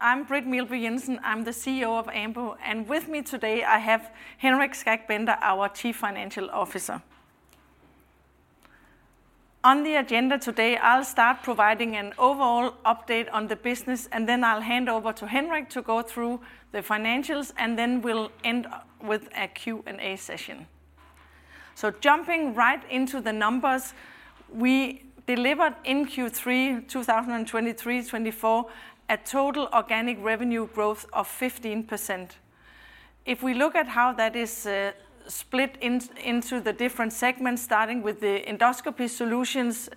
I'm Britt Meelby Jensen. I'm the CEO of Ambu, and with me today, I have Henrik Skak Bender, our Chief Financial Officer. On the agenda today, I'll start providing an overall update on the business, and then I'll hand over to Henrik to go through the financials, and then we'll end with a Q&A session. Jumping right into the numbers, we delivered in Q3 2023/24 a total organic revenue growth of 15%. If we look at how that is split into the different segments, starting with the endoscopy solutions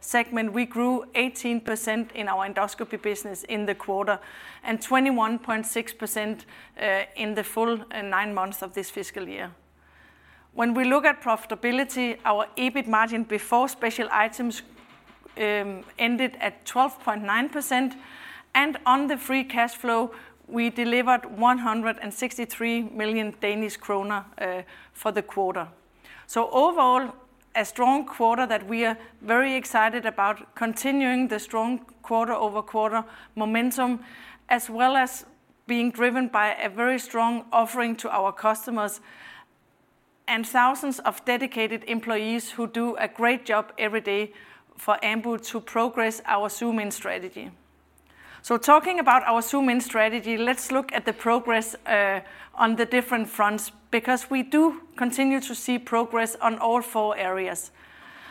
segment, we grew 18% in our endoscopy business in the quarter, and 21.6% in the full nine months of this fiscal year. When we look at profitability, our EBIT margin before special items ended at 12.9%, and on the free cash flow, we delivered 163 million Danish kroner for the quarter. So overall, a strong quarter that we are very excited about, continuing the strong quarter-over-quarter momentum, as well as being driven by a very strong offering to our customers, and thousands of dedicated employees who do a great job every day for Ambu to progress our Zoom In strategy. Talking about our Zoom In strategy, let's look at the progress on the different fronts, because we do continue to see progress on all four areas.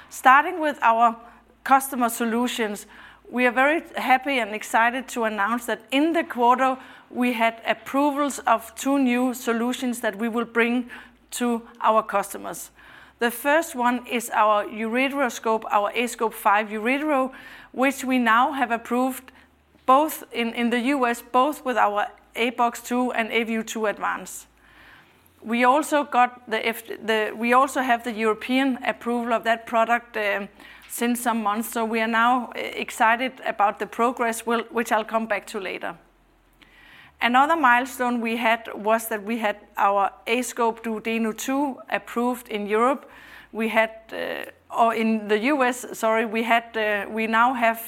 Starting with our customer solutions, we are very happy and excited to announce that in the quarter, we had approvals of two new solutions that we will bring to our customers. The first one is our ureteroscope, our aScope 5 Uretero, which we now have approved both in the U.S., both with our aBox 2 and aView 2 Advance. We also got the... We also have the European approval of that product since some months, so we are now excited about the progress, well, which I'll come back to later. Another milestone we had was that we had our aScope Duodeno 2 approved in Europe. We had, or in the US, sorry, we had, we now have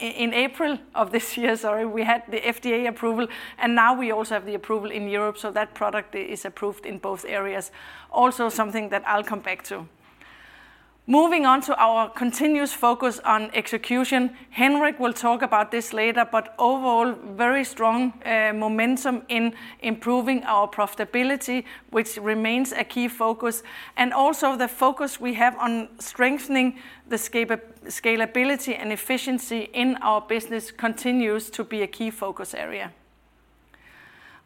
in April of this year, sorry, we had the FDA approval, and now we also have the approval in Europe, so that product is approved in both areas. Also, something that I'll come back to. Moving on to our continuous focus on execution, Henrik will talk about this later, but overall, very strong momentum in improving our profitability, which remains a key focus, and also the focus we have on strengthening the scalability and efficiency in our business continues to be a key focus area.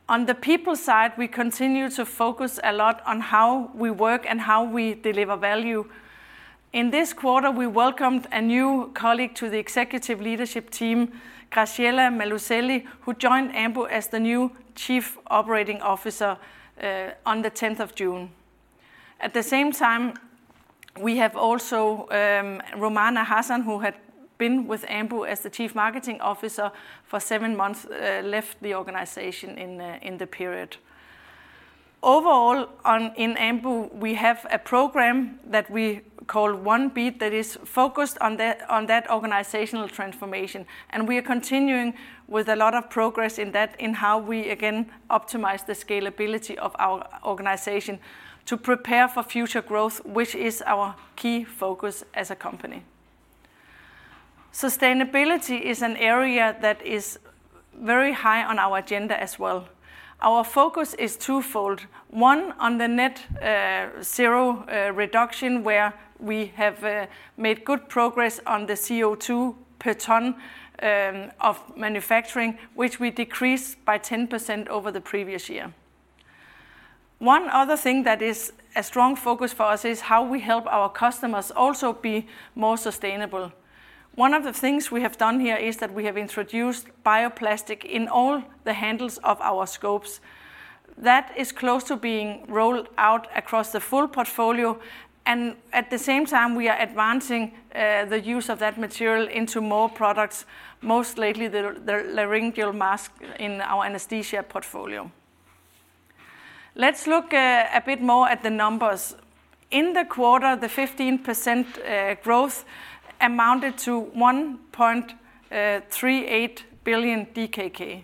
On the people side, we continue to focus a lot on how we work and how we deliver value. In this quarter, we welcomed a new colleague to the executive leadership team, Graziella Meluselli, who joined Ambu as the new Chief Operating Officer on the 10th of June. At the same time, we have also, Rumana Hassan, who had been with Ambu as the Chief Marketing Officer for seven months, left the organization in the period. Overall, in Ambu, we have a program that we call One Beat, that is focused on that organizational transformation, and we are continuing with a lot of progress in that, in how we again optimize the scalability of our organization to prepare for future growth, which is our key focus as a company. Sustainability is an area that is very high on our agenda as well. Our focus is twofold: one, on the net zero reduction, where we have made good progress on the CO2 per ton of manufacturing, which we decreased by 10% over the previous year. One other thing that is a strong focus for us is how we help our customers also be more sustainable. One of the things we have done here is that we have introduced bioplastic in all the handles of our scopes. That is close to being rolled out across the full portfolio, and at the same time, we are advancing the use of that material into more products, most lately the laryngeal mask in our anesthesia portfolio. Let's look a bit more at the numbers. In the quarter, the 15% growth amounted to 1.38 billion DKK.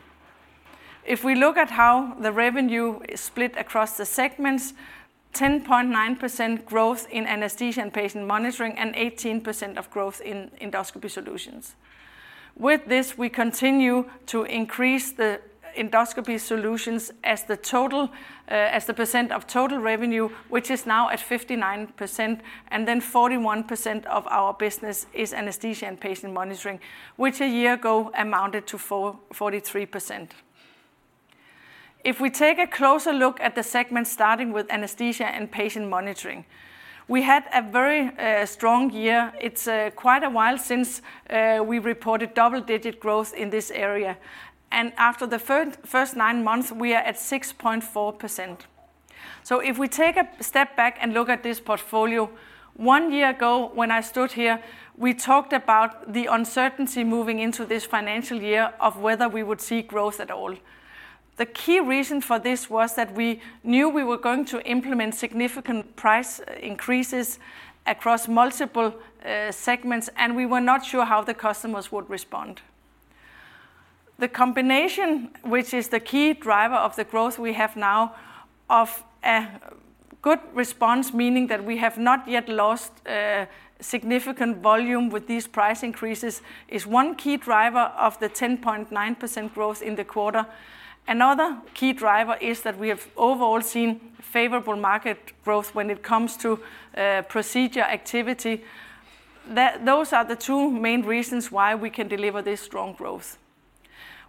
If we look at how the revenue is split across the segments, 10.9% growth in Anesthesia and Patient Monitoring, and 18% of growth in endoscopy solutions. With this, we continue to increase the endoscopy solutions as the total, as the percent of total revenue, which is now at 59%, and then 41% of our business is Anesthesia and Patient Monitoring, which a year ago amounted to 43%. If we take a closer look at the segment, starting with Anesthesia and Patient Monitoring, we had a very strong year. It's quite a while since we reported double-digit growth in this area, and after the first nine months, we are at 6.4%. So if we take a step back and look at this portfolio, one year ago, when I stood here, we talked about the uncertainty moving into this financial year of whether we would see growth at all. The key reason for this was that we knew we were going to implement significant price increases across multiple segments, and we were not sure how the customers would respond. The combination, which is the key driver of the growth we have now, of a good response, meaning that we have not yet lost significant volume with these price increases, is one key driver of the 10.9% growth in the quarter. Another key driver is that we have overall seen favorable market growth when it comes to procedure activity. Those are the two main reasons why we can deliver this strong growth.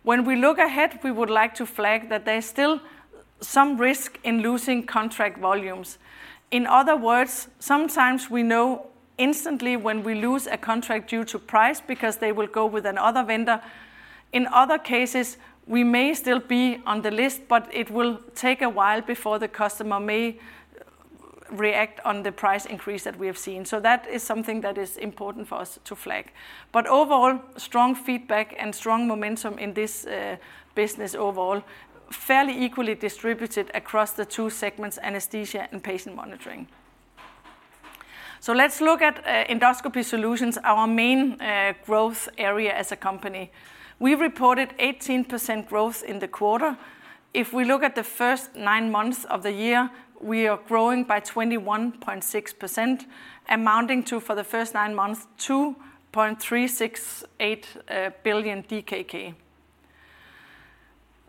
When we look ahead, we would like to flag that there's still some risk in losing contract volumes. In other words, sometimes we know instantly when we lose a contract due to price, because they will go with another vendor. In other cases, we may still be on the list, but it will take a while before the customer may react on the price increase that we have seen. So that is something that is important for us to flag. But overall, strong feedback and strong momentum in this business overall, fairly equally distributed across the two segments, Anesthesia and Patient Monitoring. So let's look at Endoscopy Solutions, our main growth area as a company. We reported 18% growth in the quarter. If we look at the first nine months of the year, we are growing by 21.6%, amounting to, for the first nine months, 2.368 billion DKK.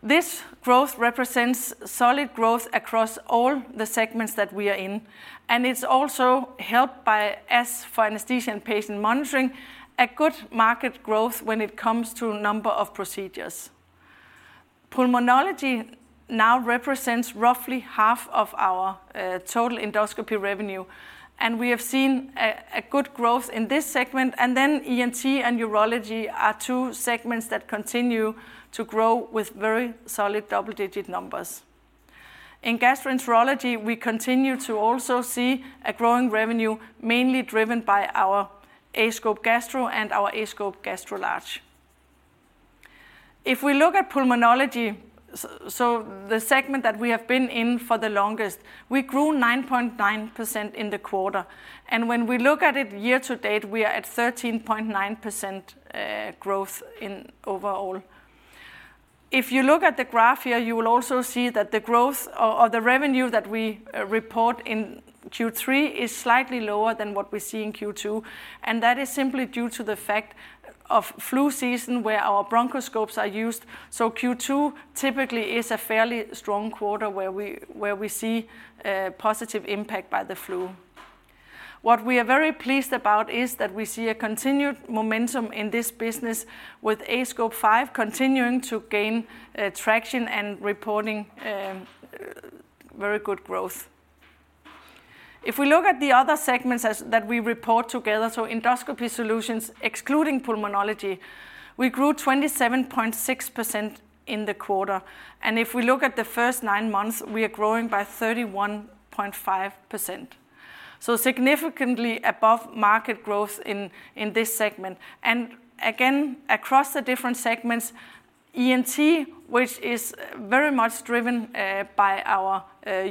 This growth represents solid growth across all the segments that we are in, and it's also helped by, as for Anesthesia and Patient Monitoring, a good market growth when it comes to number of procedures. Pulmonology now represents roughly half of our total endoscopy revenue, and we have seen a good growth in this segment, and then ENT and urology are two segments that continue to grow with very solid double-digit numbers. In gastroenterology, we continue to also see a growing revenue, mainly driven by our aScope Gastro and our aScope Gastro Large. If we look at pulmonology, so the segment that we have been in for the longest, we grew 9.9% in the quarter, and when we look at it year to date, we are at 13.9% growth in overall. If you look at the graph here, you will also see that the growth or the revenue that we report in Q3 is slightly lower than what we see in Q2, and that is simply due to the fact of flu season, where our bronchoscopes are used. Q2 typically is a fairly strong quarter where we see a positive impact by the flu. What we are very pleased about is that we see a continued momentum in this business with aScope 5 continuing to gain traction and reporting very good growth. If we look at the other segments that we report together, so Endoscopy Solutions, excluding Pulmonology, we grew 27.6% in the quarter, and if we look at the first nine months, we are growing by 31.5%, so significantly above market growth in this segment. And again, across the different segments, ENT, which is very much driven by our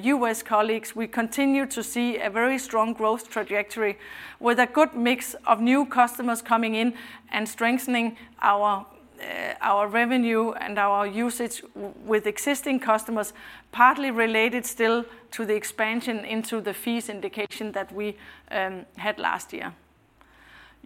U.S. colleagues, we continue to see a very strong growth trajectory with a good mix of new customers coming in and strengthening our revenue and our usage with existing customers, partly related still to the expansion into the FEES indication that we had last year.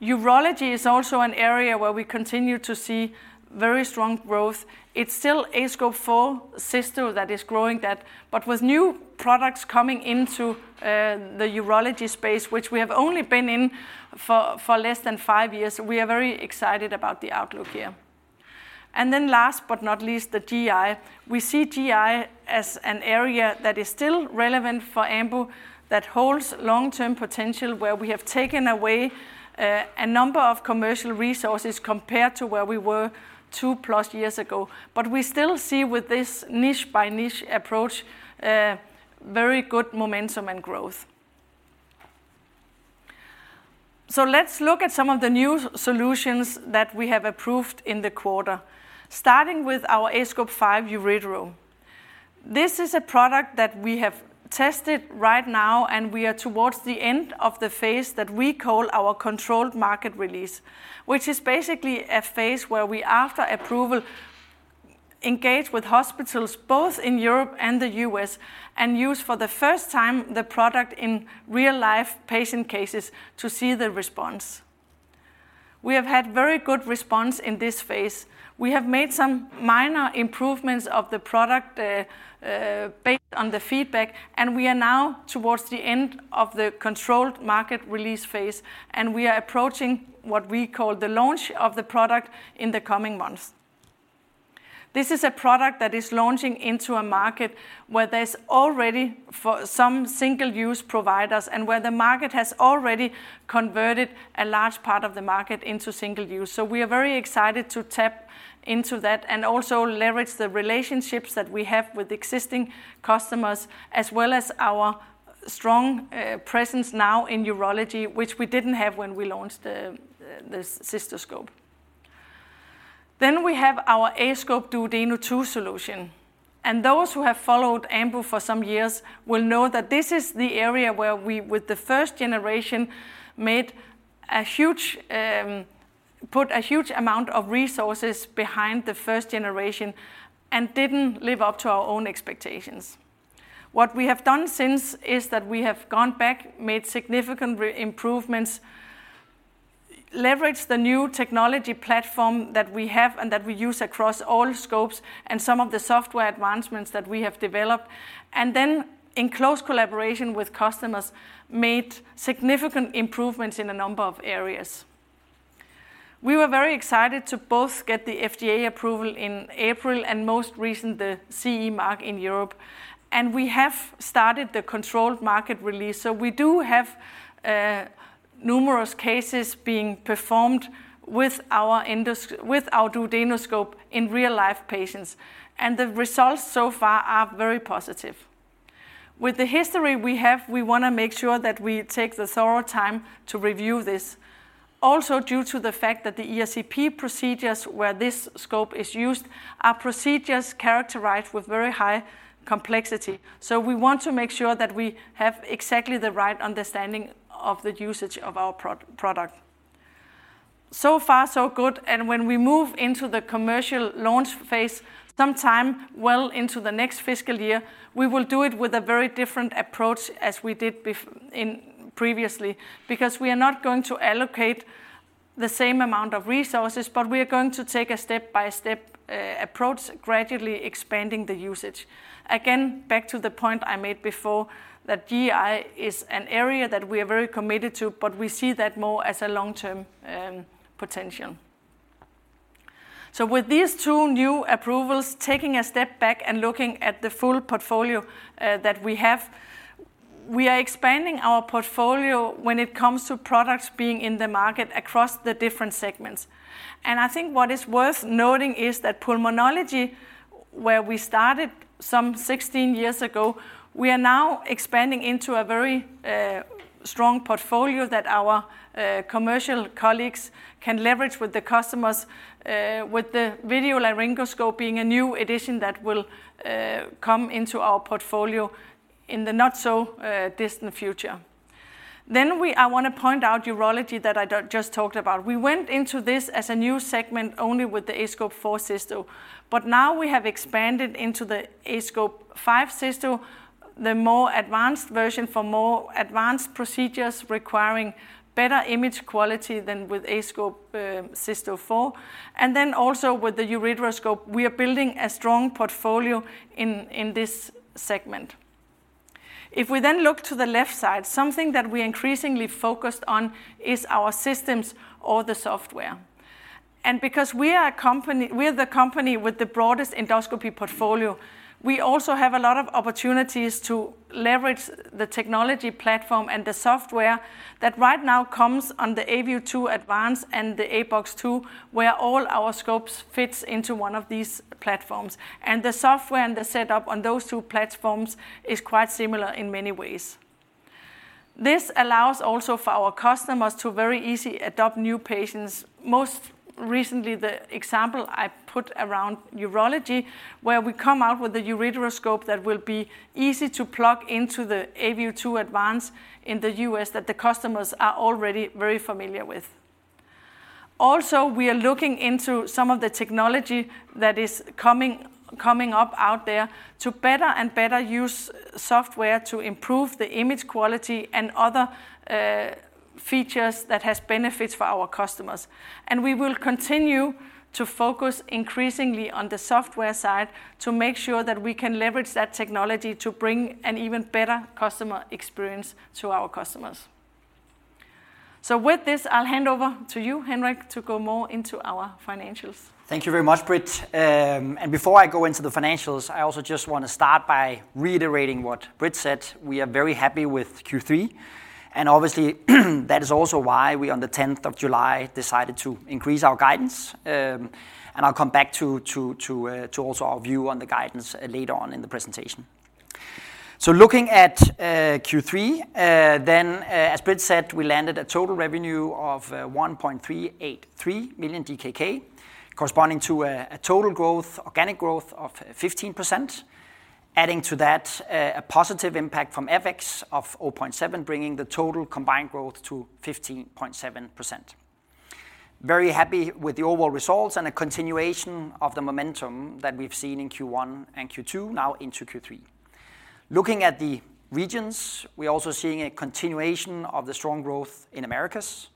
Urology is also an area where we continue to see very strong growth. It's still aScope 4 Cysto that is growing that, but with new products coming into the urology space, which we have only been in for less than five years, we are very excited about the outlook here. And then last but not least, the GI. We see GI as an area that is still relevant for Ambu, that holds long-term potential, where we have taken away a number of commercial resources compared to where we were two-plus years ago. But we still see with this niche-by-niche approach very good momentum and growth. So let's look at some of the new solutions that we have approved in the quarter, starting with our aScope 5 Uretero. This is a product that we have tested right now, and we are towards the end of the phase that we call our controlled market release, which is basically a phase where we, after approval, engage with hospitals both in Europe and the U.S. and use for the first time the product in real-life patient cases to see the response. We have had very good response in this phase. We have made some minor improvements of the product based on the feedback, and we are now towards the end of the controlled market release phase, and we are approaching what we call the launch of the product in the coming months. This is a product that is launching into a market where there's already for some single-use providers and where the market has already converted a large part of the market into single use. So we are very excited to tap into that and also leverage the relationships that we have with existing customers, as well as our strong presence now in urology, which we didn't have when we launched the cystoscope. Then we have our aScope Duodeno 2 solution, and those who have followed Ambu for some years will know that this is the area where we, with the first generation, made a huge put a huge amount of resources behind the first generation and didn't live up to our own expectations. What we have done since is that we have gone back, made significant improvements, leveraged the new technology platform that we have and that we use across all scopes, and some of the software advancements that we have developed, and then in close collaboration with customers, made significant improvements in a number of areas. We were very excited to both get the FDA approval in April, and most recent, the CE mark in Europe, and we have started the controlled market release. We do have numerous cases being performed with our duodenoscope in real-life patients, and the results so far are very positive. With the history we have, we want to make sure that we take the thorough time to review this. Also, due to the fact that the ESCP procedures where this scope is used are procedures characterized with very high complexity. We want to make sure that we have exactly the right understanding of the usage of our product. So far, so good, and when we move into the commercial launch phase, sometime well into the next fiscal year, we will do it with a very different approach as we did previously. Because we are not going to allocate the same amount of resources, but we are going to take a step-by-step approach, gradually expanding the usage. Again, back to the point I made before, that GI is an area that we are very committed to, but we see that more as a long-term potential. So with these two new approvals, taking a step back and looking at the full portfolio that we have, we are expanding our portfolio when it comes to products being in the market across the different segments. And I think what is worth noting is that pulmonology, where we started some 16 years ago, we are now expanding into a very strong portfolio that our commercial colleagues can leverage with the customers, with the video laryngoscope being a new addition that will come into our portfolio in the not so distant future. Then I want to point out urology that I just talked about. We went into this as a new segment only with the aScope 4 Cysto, but now we have expanded into the aScope 5 Cysto, the more advanced version for more advanced procedures requiring better image quality than with aScope 4 Cysto. And then also with the ureteroscope, we are building a strong portfolio in this segment. If we then look to the left side, something that we increasingly focused on is our systems or the software, and because we are a company—we are the company with the broadest endoscopy portfolio, we also have a lot of opportunities to leverage the technology platform and the software that right now comes on the aView 2 Advance and the aBox 2, where all our scopes fits into one of these platforms, and the software and the setup on those two platforms is quite similar in many ways. This allows also for our customers to very easy adopt new patients. Most recently, the example I put around urology, where we come out with a ureteroscope that will be easy to plug into the aView 2 Advance in the U.S., that the customers are already very familiar with. Also, we are looking into some of the technology that is coming up out there to better and better use software to improve the image quality and other features that has benefits for our customers. And we will continue to focus increasingly on the software side to make sure that we can leverage that technology to bring an even better customer experience to our customers. So with this, I'll hand over to you, Henrik, to go more into our financials. Thank you very much, Britt. And before I go into the financials, I also just want to start by reiterating what Britt said. We are very happy with Q3, and obviously, that is also why we, on the tenth of July, decided to increase our guidance. And I'll come back to also our view on the guidance later on in the presentation. So looking at Q3, then, as Britt said, we landed a total revenue of 1.383 million DKK, corresponding to a total growth, organic growth of 15%. Adding to that, a positive impact from FX of 0.7, bringing the total combined growth to 15.7%. Very happy with the overall results and a continuation of the momentum that we've seen in Q1 and Q2, now into Q3. Looking at the regions, we are also seeing a continuation of the strong growth in Americas.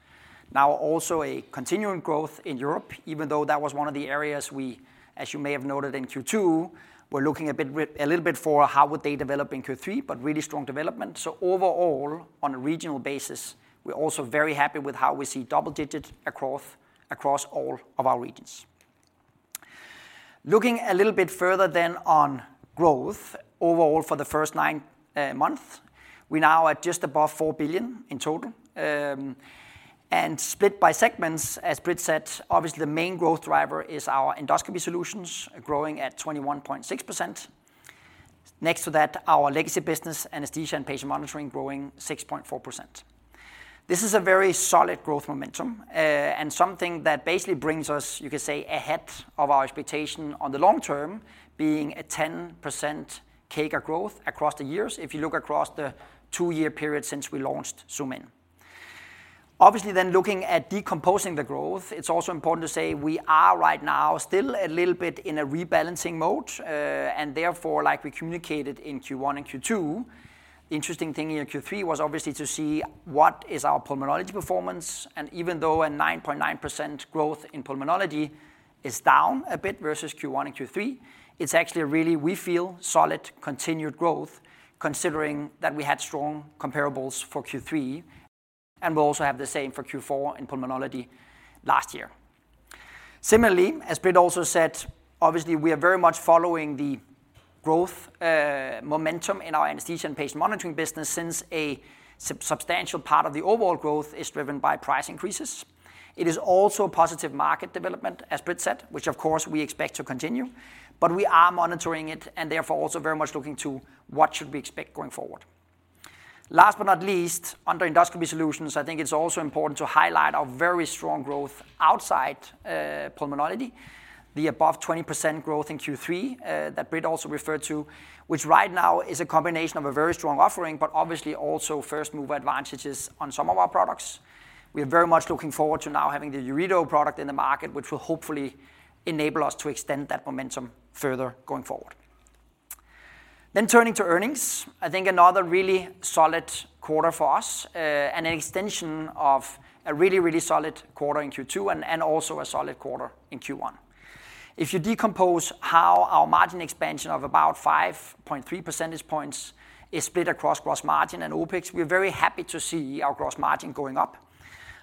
Now, also a continuing growth in Europe, even though that was one of the areas we, as you may have noted in Q2, we're looking a bit a little bit for how would they develop in Q3, but really strong development, so overall, on a regional basis, we're also very happy with how we see double digits across all of our regions. Looking a little bit further then on growth, overall for the first nine months, we're now at just above 4 billion in total. And split by segments, as Britt said, obviously the main growth driver is our endoscopy solutions, growing at 21.6%. Next to that, our legacy business, Anesthesia and Patient Monitoring, growing 6.4%. This is a very solid growth momentum, and something that basically brings us, you can say, ahead of our expectation on the long term, being a 10% CAGR growth across the years if you look across the two-year period since we launched Zoom In. Obviously, then looking at decomposing the growth, it's also important to say we are right now still a little bit in a rebalancing mode, and therefore, like we communicated in Q1 and Q2, the interesting thing in Q3 was obviously to see what is our Pulmonology performance, and even though a 9.9% growth in Pulmonology is down a bit versus Q1 and Q3, it's actually a really, we feel, solid, continued growth, considering that we had strong comparables for Q3, and we also have the same for Q4 in Pulmonology last year. Similarly, as Britt also said, obviously, we are very much following the growth momentum in our Anesthesia and Patient Monitoring business, since a substantial part of the overall growth is driven by price increases. It is also a positive market development, as Britt said, which of course, we expect to continue, but we are monitoring it and therefore also very much looking to what should we expect going forward. Last but not least, under Endoscopy Solutions, I think it's also important to highlight our very strong growth outside pulmonology. The above 20% growth in Q3 that Britt also referred to, which right now is a combination of a very strong offering, but obviously also first-mover advantages on some of our products. We are very much looking forward to now having the Eurido product in the market, which will hopefully enable us to extend that momentum further going forward. Then turning to earnings, I think another really solid quarter for us, and an extension of a really, really solid quarter in Q2 and, and also a solid quarter in Q1. If you decompose how our margin expansion of about 5.3 percentage points is split across gross margin and OpEx, we're very happy to see our gross margin going up.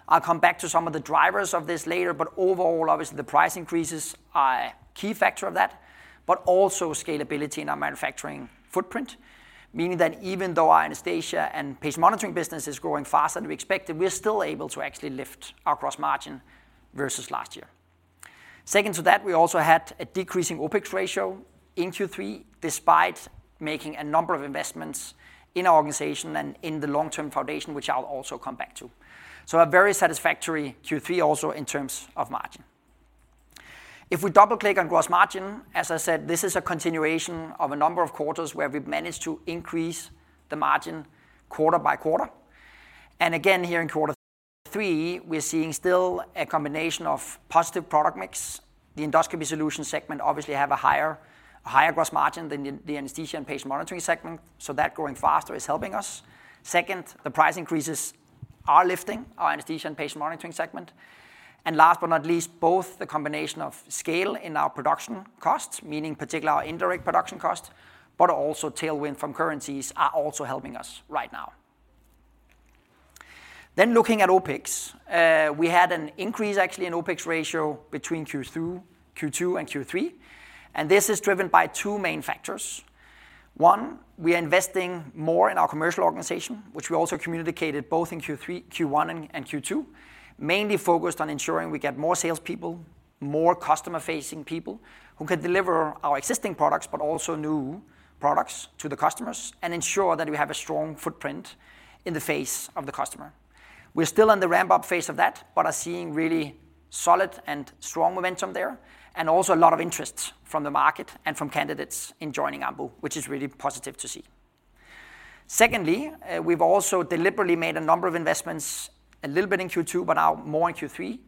I'll come back to some of the drivers of this later, but overall, obviously, the price increases are a key factor of that, but also scalability in our manufacturing footprint, meaning that even though our Anesthesia and Patient Monitoring business is growing faster than we expected, we are still able to actually lift our gross margin versus last year. Second to that, we also had a decreasing OpEx ratio in Q3, despite making a number of investments in our organization and in the long-term foundation, which I'll also come back to. So a very satisfactory Q3 also in terms of margin. If we double-click on gross margin, as I said, this is a continuation of a number of quarters where we've managed to increase the margin quarter by quarter. And again, here in quarter three, we're seeing still a combination of positive product mix. The Endoscopy Solutions segment obviously have a higher, a higher gross margin than the, the Anesthesia and Patient Monitoring segment, so that growing faster is helping us. Second, the price increases are lifting our Anesthesia and Patient Monitoring segment. And last but not least, both the combination of scale in our production costs, meaning particularly our indirect production cost, but also tailwind from currencies, are also helping us right now. Then looking at OpEx, we had an increase, actually, in OpEx ratio between Q2 and Q3, and this is driven by two main factors. One, we are investing more in our commercial organization, which we also communicated both in Q3, Q1 and Q2, mainly focused on ensuring we get more salespeople, more customer-facing people who can deliver our existing products, but also new products to the customers and ensure that we have a strong footprint in the face of the customer. We're still in the ramp-up phase of that, but are seeing really solid and strong momentum there, and also a lot of interest from the market and from candidates in joining Ambu, which is really positive to see. Secondly, we've also deliberately made a number of investments, a little bit in Q2, but now more in Q3,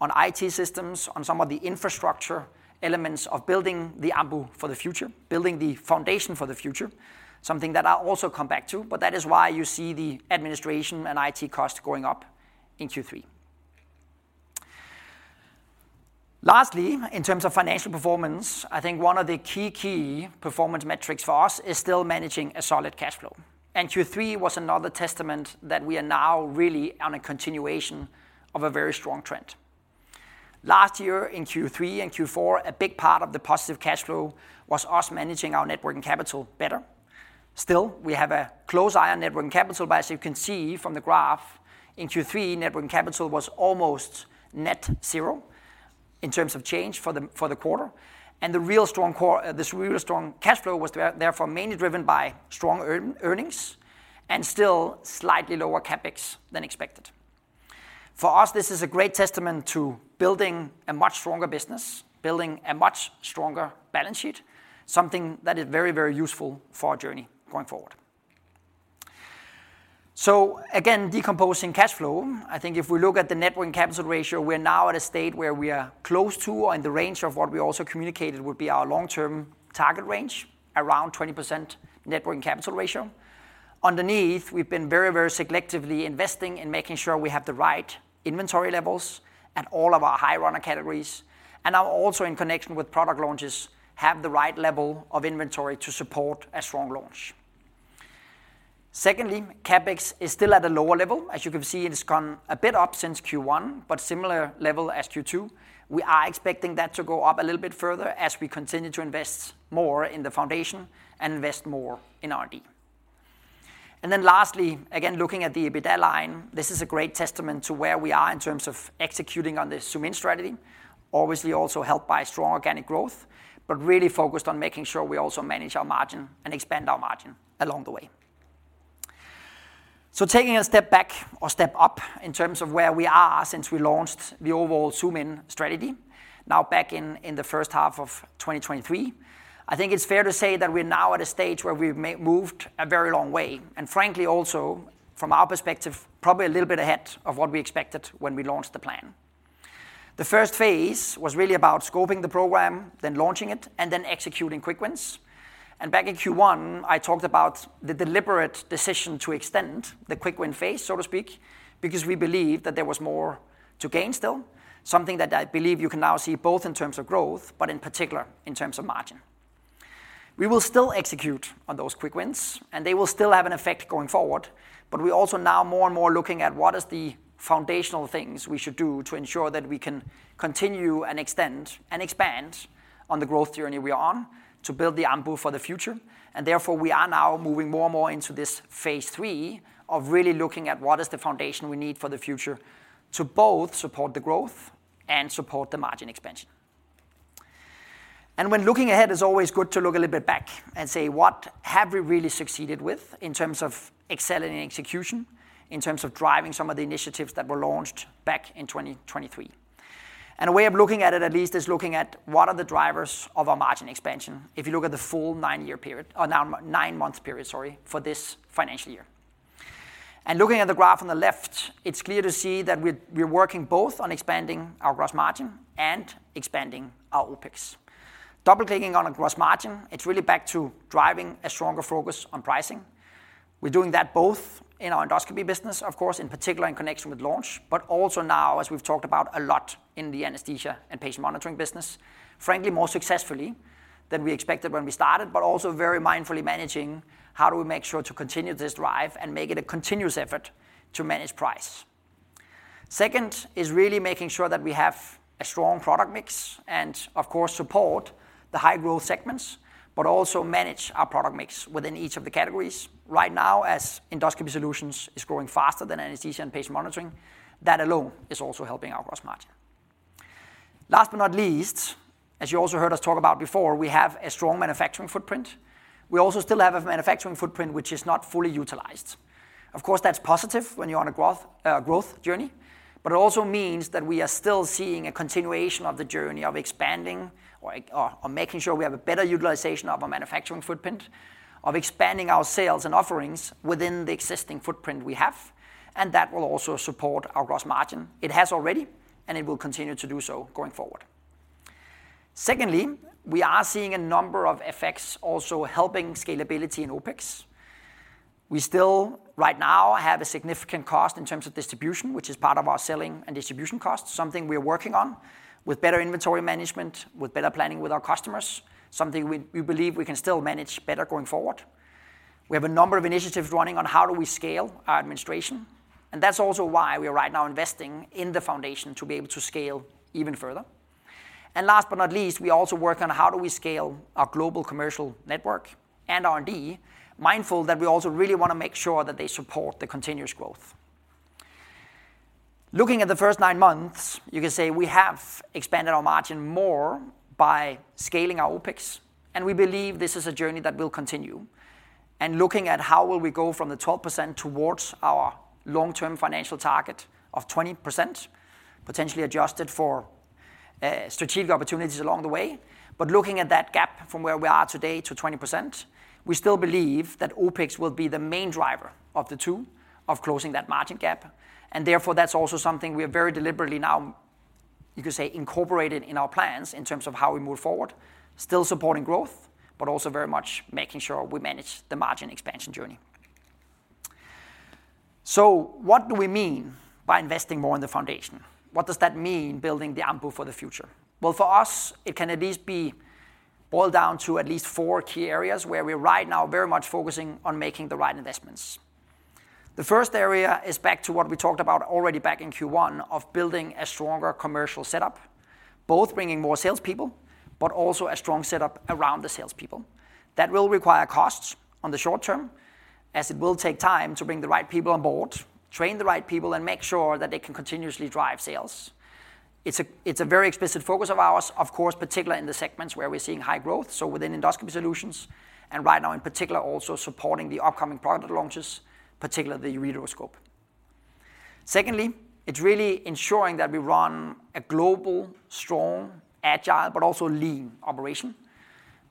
on IT systems, on some of the infrastructure elements of building the Ambu for the future, building the foundation for the future, something that I'll also come back to, but that is why you see the administration and IT cost going up in Q3. Lastly, in terms of financial performance, I think one of the key, key performance metrics for us is still managing a solid cash flow, and Q3 was another testament that we are now really on a continuation of a very strong trend. Last year, in Q3 and Q4, a big part of the positive cash flow was us managing our net working capital better. Still, we have a close eye on net working capital, but as you can see from the graph, in Q3, net working capital was almost net zero in terms of change for the quarter. And the real strong quarter, this really strong cash flow was therefore mainly driven by strong earnings and still slightly lower CapEx than expected. For us, this is a great testament to building a much stronger business, building a much stronger balance sheet, something that is very, very useful for our journey going forward. So again, decomposing cash flow, I think if we look at the net working capital ratio, we are now at a state where we are close to, and the range of what we also communicated would be our long-term target range, around 20% net working capital ratio. Underneath, we've been very, very selectively investing in making sure we have the right inventory levels at all of our high-runner categories, and now also in connection with product launches, have the right level of inventory to support a strong launch. Secondly, CapEx is still at a lower level. As you can see, it has gone a bit up since Q1, but similar level as Q2. We are expecting that to go up a little bit further as we continue to invest more in the foundation and invest more in R&D.... Then lastly, again, looking at the EBITDA line, this is a great testament to where we are in terms of executing on this Zoom In strategy. Obviously, also helped by strong organic growth, but really focused on making sure we also manage our margin and expand our margin along the way. Taking a step back or step up in terms of where we are since we launched the overall Zoom In strategy, now back in the first half of twenty twenty-three, I think it's fair to say that we're now at a stage where we've moved a very long way, and frankly, also from our perspective, probably a little bit ahead of what we expected when we launched the plan. The first phase was really about scoping the program, then launching it, and then executing quick wins. Back in Q1, I talked about the deliberate decision to extend the quick win phase, so to speak, because we believed that there was more to gain still, something that I believe you can now see both in terms of growth, but in particular, in terms of margin. We will still execute on those quick wins, and they will still have an effect going forward, but we also now more and more looking at what is the foundational things we should do to ensure that we can continue and extend and expand on the growth journey we are on to build the Ambu for the future. Therefore, we are now moving more and more into this phase three of really looking at what is the foundation we need for the future to both support the growth and support the margin expansion. When looking ahead, it's always good to look a little bit back and say, "What have we really succeeded with in terms of excelling in execution, in terms of driving some of the initiatives that were launched back in 2023?" A way of looking at it, at least, is looking at what are the drivers of our margin expansion if you look at the full nine-year period or nine-month period, sorry, for this financial year. Looking at the graph on the left, it's clear to see that we're working both on expanding our gross margin and expanding our OpEx. Double-clicking on a gross margin, it's really back to driving a stronger focus on pricing. We're doing that both in our endoscopy business, of course, in particular in connection with launch, but also now, as we've talked about a lot in the Anesthesia and Patient Monitoring business, frankly, more successfully than we expected when we started, but also very mindfully managing how do we make sure to continue this drive and make it a continuous effort to manage price. Second is really making sure that we have a strong product mix, and of course, support the high-growth segments, but also manage our product mix within each of the categories. Right now, as Endoscopy Solutions is growing faster than Anesthesia and Patient Monitoring, that alone is also helping our gross margin. Last but not least, as you also heard us talk about before, we have a strong manufacturing footprint. We also still have a manufacturing footprint which is not fully utilized. Of course, that's positive when you're on a growth journey, but it also means that we are still seeing a continuation of the journey of expanding or making sure we have a better utilization of our manufacturing footprint, of expanding our sales and offerings within the existing footprint we have, and that will also support our gross margin. It has already, and it will continue to do so going forward. Secondly, we are seeing a number of effects also helping scalability in OpEx. We still, right now, have a significant cost in terms of distribution, which is part of our selling and distribution costs, something we are working on with better inventory management, with better planning with our customers, something we believe we can still manage better going forward. We have a number of initiatives running on how do we scale our administration, and that's also why we are right now investing in the foundation to be able to scale even further and last but not least, we also work on how do we scale our global commercial network and R&D, mindful that we also really want to make sure that they support the continuous growth. Looking at the first nine months, you can say we have expanded our margin more by scaling our OpEx, and we believe this is a journey that will continue. Looking at how will we go from the 12% towards our long-term financial target of 20%, potentially adjusted for strategic opportunities along the way, but looking at that gap from where we are today to 20%, we still believe that OpEx will be the main driver of the two of closing that margin gap, and therefore, that's also something we are very deliberately now, you could say, incorporated in our plans in terms of how we move forward, still supporting growth, but also very much making sure we manage the margin expansion journey. What do we mean by investing more in the foundation? What does that mean, building the Ambu for the future? For us, it can at least be boiled down to at least four key areas where we're right now very much focusing on making the right investments. The first area is back to what we talked about already back in Q1 of building a stronger commercial setup, both bringing more salespeople, but also a strong setup around the salespeople. That will require costs on the short term, as it will take time to bring the right people on board, train the right people, and make sure that they can continuously drive sales. It's a very explicit focus of ours, of course, particularly in the segments where we're seeing high growth, so within Endoscopy Solutions, and right now, in particular, also supporting the upcoming product launches, particularly the ureteroscope. Secondly, it's really ensuring that we run a global, strong, agile, but also lean operation,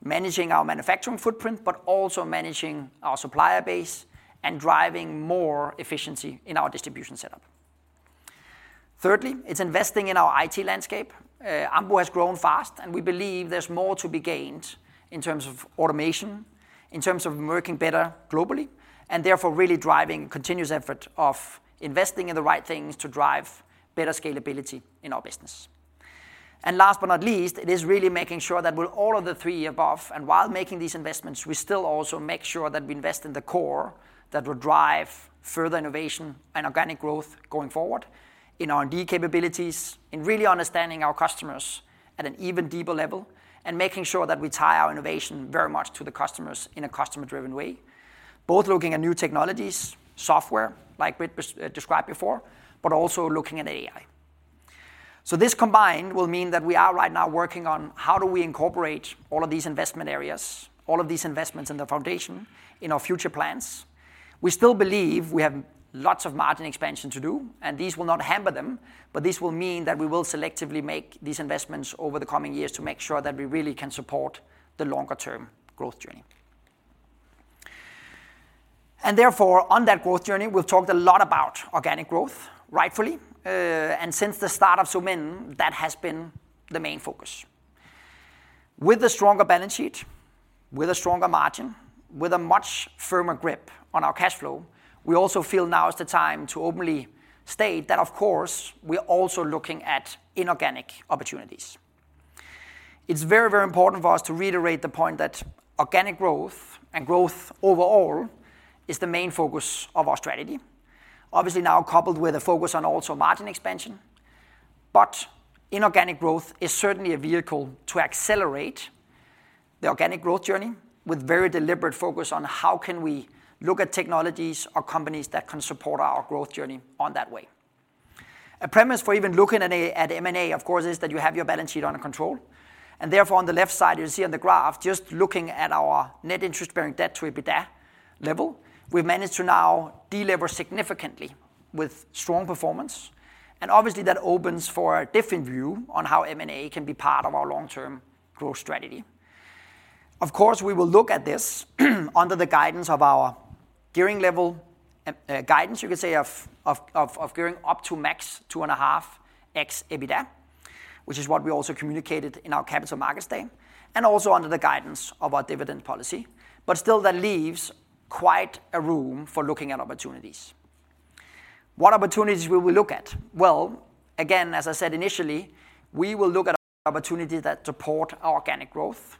managing our manufacturing footprint, but also managing our supplier base and driving more efficiency in our distribution setup. Thirdly, it's investing in our IT landscape. Ambu has grown fast, and we believe there's more to be gained in terms of automation, in terms of working better globally, and therefore, really driving continuous effort of investing in the right things to drive better scalability in our business, and last but not least, it is really making sure that with all of the three above, and while making these investments, we still also make sure that we invest in the core that will drive further innovation and organic growth going forward in R&D capabilities, in really understanding our customers at an even deeper level, and making sure that we tie our innovation very much to the customers in a customer-driven way, both looking at new technologies, software, like we described before, but also looking at AI. So this combined will mean that we are right now working on how do we incorporate all of these investment areas, all of these investments in the foundation, in our future plans? We still believe we have lots of margin expansion to do, and these will not hamper them, but this will mean that we will selectively make these investments over the coming years to make sure that we really can support the longer-term growth journey. And therefore, on that growth journey, we've talked a lot about organic growth, rightfully, and since the start of Zoom In, that has been the main focus. With a stronger balance sheet, with a stronger margin, with a much firmer grip on our cash flow, we also feel now is the time to openly state that, of course, we're also looking at inorganic opportunities. It's very, very important for us to reiterate the point that organic growth and growth overall is the main focus of our strategy. Obviously, now coupled with a focus on also margin expansion, but inorganic growth is certainly a vehicle to accelerate the organic growth journey with very deliberate focus on how can we look at technologies or companies that can support our growth journey on that way. A premise for even looking at M&A, of course, is that you have your balance sheet under control, and therefore, on the left side, you see on the graph, just looking at our net interest-bearing debt to EBITDA level, we've managed to now deLever significantly with strong performance. And obviously, that opens for a different view on how M&A can be part of our long-term growth strategy. Of course, we will look at this under the guidance of our gearing level guidance, you could say, of gearing up to max two and a half x EBITDA, which is what we also communicated in our capital markets day, and also under the guidance of our dividend policy. But still, that leaves quite a room for looking at opportunities. What opportunities will we look at? Well, again, as I said initially, we will look at opportunities that support our organic growth,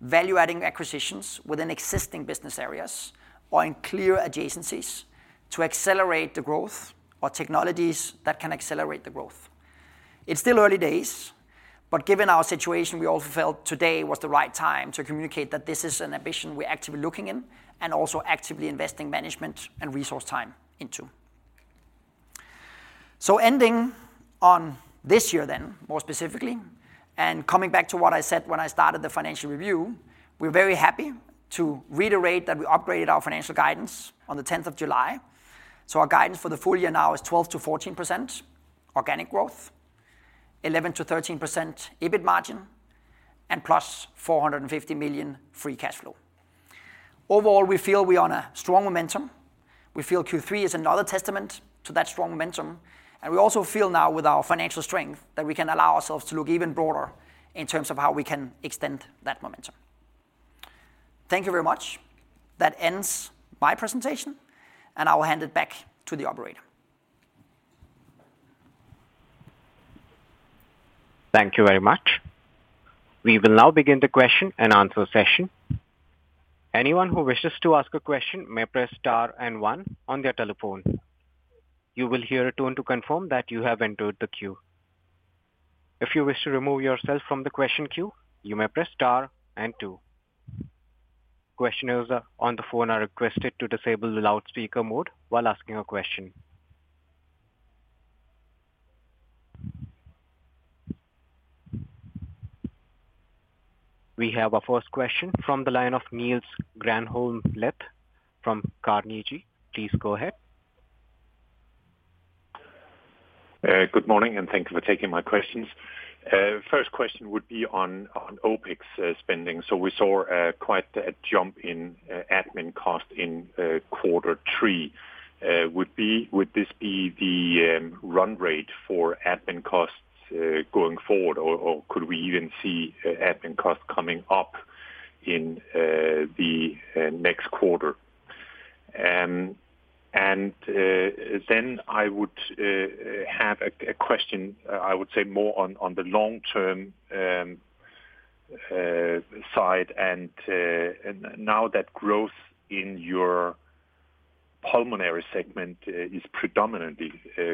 value-adding acquisitions within existing business areas or in clear adjacencies to accelerate the growth or technologies that can accelerate the growth. It's still early days, but given our situation, we also felt today was the right time to communicate that this is an ambition we're actively looking in and also actively investing management and resource time into. So ending on this year then, more specifically, and coming back to what I said when I started the financial review, we're very happy to reiterate that we upgraded our financial guidance on the tenth of July. So our guidance for the full year now is 12%-14% organic growth, 11%-13% EBIT margin, and +450 million free cash flow. Overall, we feel we are on a strong momentum. We feel Q3 is another testament to that strong momentum, and we also feel now with our financial strength, that we can allow ourselves to look even broader in terms of how we can extend that momentum. Thank you very much. That ends my presentation, and I will hand it back to the operator. Thank you very much. We will now begin the question and answer session. Anyone who wishes to ask a question may press star and one on their telephone. You will hear a tone to confirm that you have entered the queue. If you wish to remove yourself from the question queue, you may press star and two. Questioners on the phone are requested to disable the loudspeaker mode while asking a question. We have our first question from the line of Niels Granholm-Leth from Carnegie. Please go ahead. Good morning, and thank you for taking my questions. First question would be on OpEx spending. So we saw quite a jump in admin cost in quarter three. Would this be the run rate for admin costs going forward, or could we even see admin costs coming up in the next quarter? And then I would have a question I would say more on the long-term side, and now that growth in your pulmonary segment is predominantly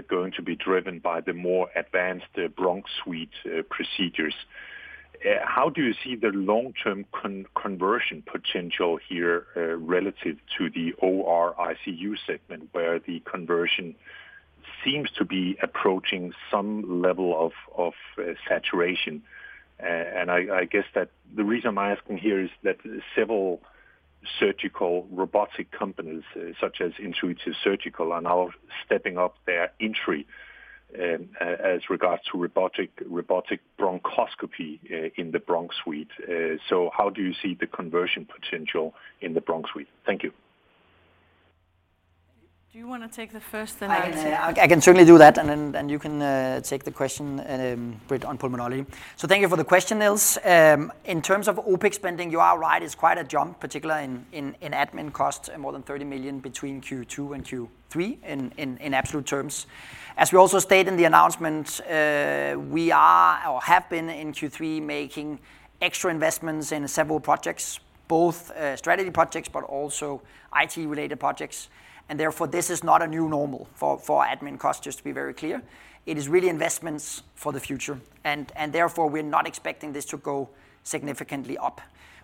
going to be driven by the more advanced bronchoscopy suite procedures. How do you see the long-term conversion potential here relative to the OR ICU segment, where the conversion seems to be approaching some level of saturation? And I guess that the reason I'm asking here is that several surgical robotic companies, such as Intuitive Surgical, are now stepping up their entry as regards to robotic bronchoscopy in the bronch suite. So how do you see the conversion potential in the bronch suite? Thank you. Do you want to take the first, then I can take? I can certainly do that, and then you can take the question, Brit, on pulmonology. So thank you for the question, Niels. In terms of OpEx spending, you are right, it's quite a jump, particularly in admin costs, more than 30 million between Q2 and Q3 in absolute terms. As we also stated in the announcement, we are or have been in Q3 making extra investments in several projects, both strategy projects but also IT-related projects, and therefore, this is not a new normal for admin costs, just to be very clear. It is really investments for the future, and therefore, we're not expecting this to go significantly up.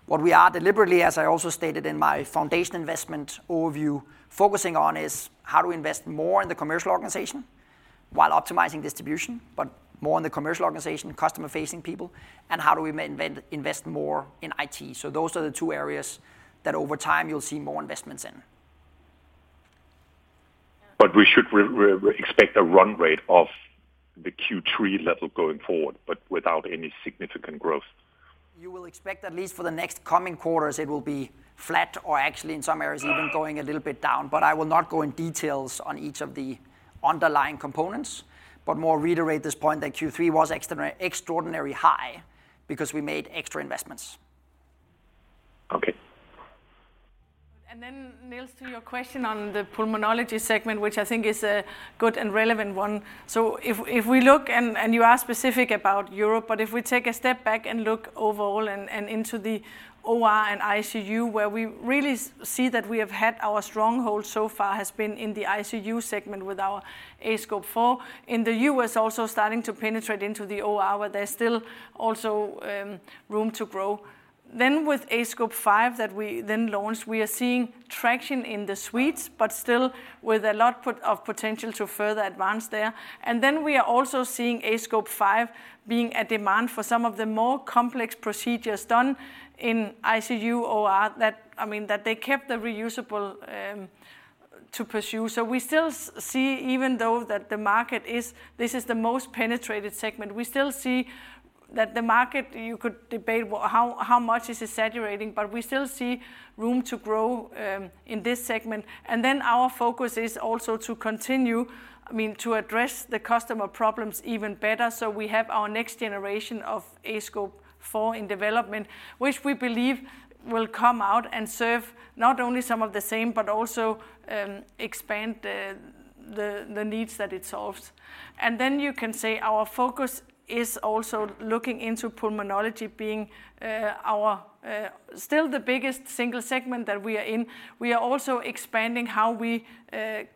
What we are deliberately, as I also stated in my foundation investment overview, focusing on, is how to invest more in the commercial organization, while optimizing distribution, but more on the commercial organization, customer-facing people, and how do we invest more in IT. So those are the two areas that over time you'll see more investments in. But we should expect a run rate of the Q3 level going forward, but without any significant growth? You will expect, at least for the next coming quarters, it will be flat or actually in some areas even going a little bit down. But I will not go in details on each of the underlying components, but more reiterate this point that Q3 was extraordinary high because we made extra investments. Okay. Then, Niels, to your question on the pulmonology segment, which I think is a good and relevant one. So if we look, and you are specific about Europe, but if we take a step back and look overall and into the OR and ICU, where we really see that we have had our stronghold so far has been in the ICU segment with our aScope 4. In the U.S., also starting to penetrate into the OR, where there's still also room to grow. Then with aScope 5, that we then launched, we are seeing traction in the suites, but still with a lot of potential to further advance there. And then we are also seeing aScope 5 being a demand for some of the more complex procedures done in ICU, OR that, I mean, that they kept the reusable to pursue. So we still see, even though the market is the most penetrated segment, we still see that the market. You could debate how much it is saturating, but we still see room to grow in this segment. And then our focus is also to continue, I mean, to address the customer problems even better. So we have our next generation of aScope 4 in development, which we believe will come out and serve not only some of the same, but also expand the needs that it solves. And then you can say our focus is also looking into pulmonology, being our still the biggest single segment that we are in. We are also expanding how we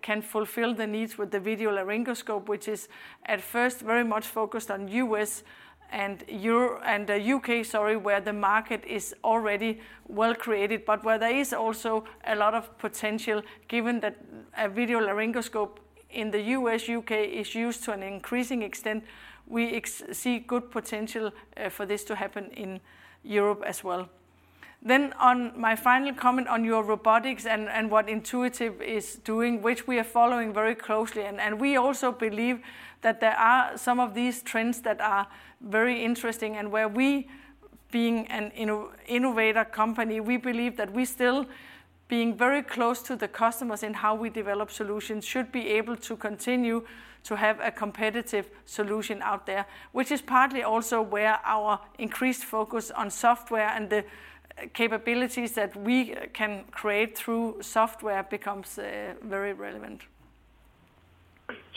can fulfill the needs with the video laryngoscope, which is at first very much focused on U.S. and Europe and the U.K., sorry, where the market is already well created. But where there is also a lot of potential, given that a video laryngoscope in the U.S., U.K. is used to an increasing extent, we see good potential for this to happen in Europe as well. Then on my final comment on your robotics and what Intuitive is doing, which we are following very closely, and we also believe that there are some of these trends that are very interesting, and where we, being an innovator company, we believe that we still, being very close to the customers in how we develop solutions, should be able to continue to have a competitive solution out there. Which is partly also where our increased focus on software and the capabilities that we can create through software becomes very relevant.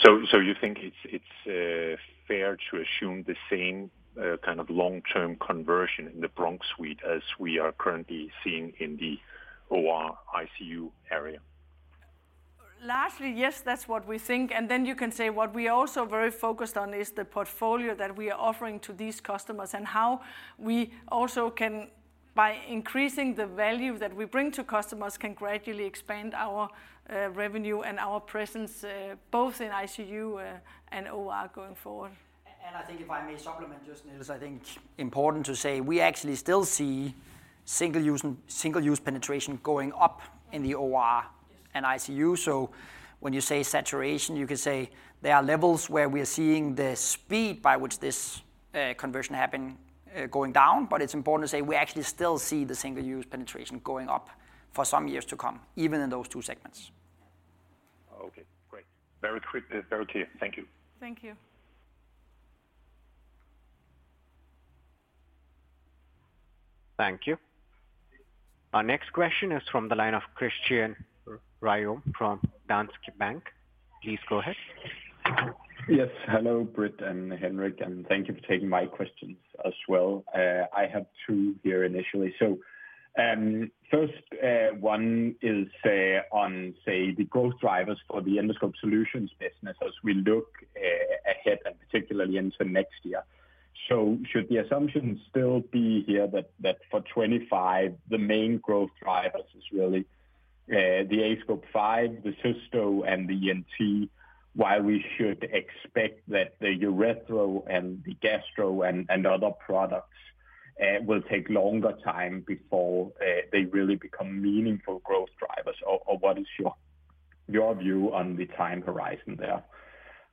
So, you think it's fair to assume the same kind of long-term conversion in the bronch suite as we are currently seeing in the OR ICU area? Largely, yes, that's what we think. And then you can say what we are also very focused on is the portfolio that we are offering to these customers, and how we also can, by increasing the value that we bring to customers, can gradually expand our, revenue and our presence, both in ICU, and OR going forward. and I think if I may supplement just, Niels, I think it's important to say we actually still see single-use penetration going up in the OR. Yes... and ICU. So when you say saturation, you can say there are levels where we are seeing the speed by which this, conversion happen, going down, but it's important to say we actually still see the single use penetration going up for some years to come, even in those two segments. Okay, great. Very clear. Very clear. Thank you. Thank you. Thank you. Our next question is from the line of Christian Ryom from Danske Bank. Please go ahead. Yes. Hello, Britt and Henrik, and thank you for taking my questions as well. I have two here initially. So, first, one is, on, say, the growth drivers for the Endoscopy Solutions business as we look, ahead and particularly into next year. So should the assumption still be here that, that for 2025, the main growth drivers is really, the aScope 5, the Cysto, and the ENT? While we should expect that the uretero and the gastro and, and other products, will take longer time before, they really become meaningful growth drivers, or, or what is your, your view on the time horizon there?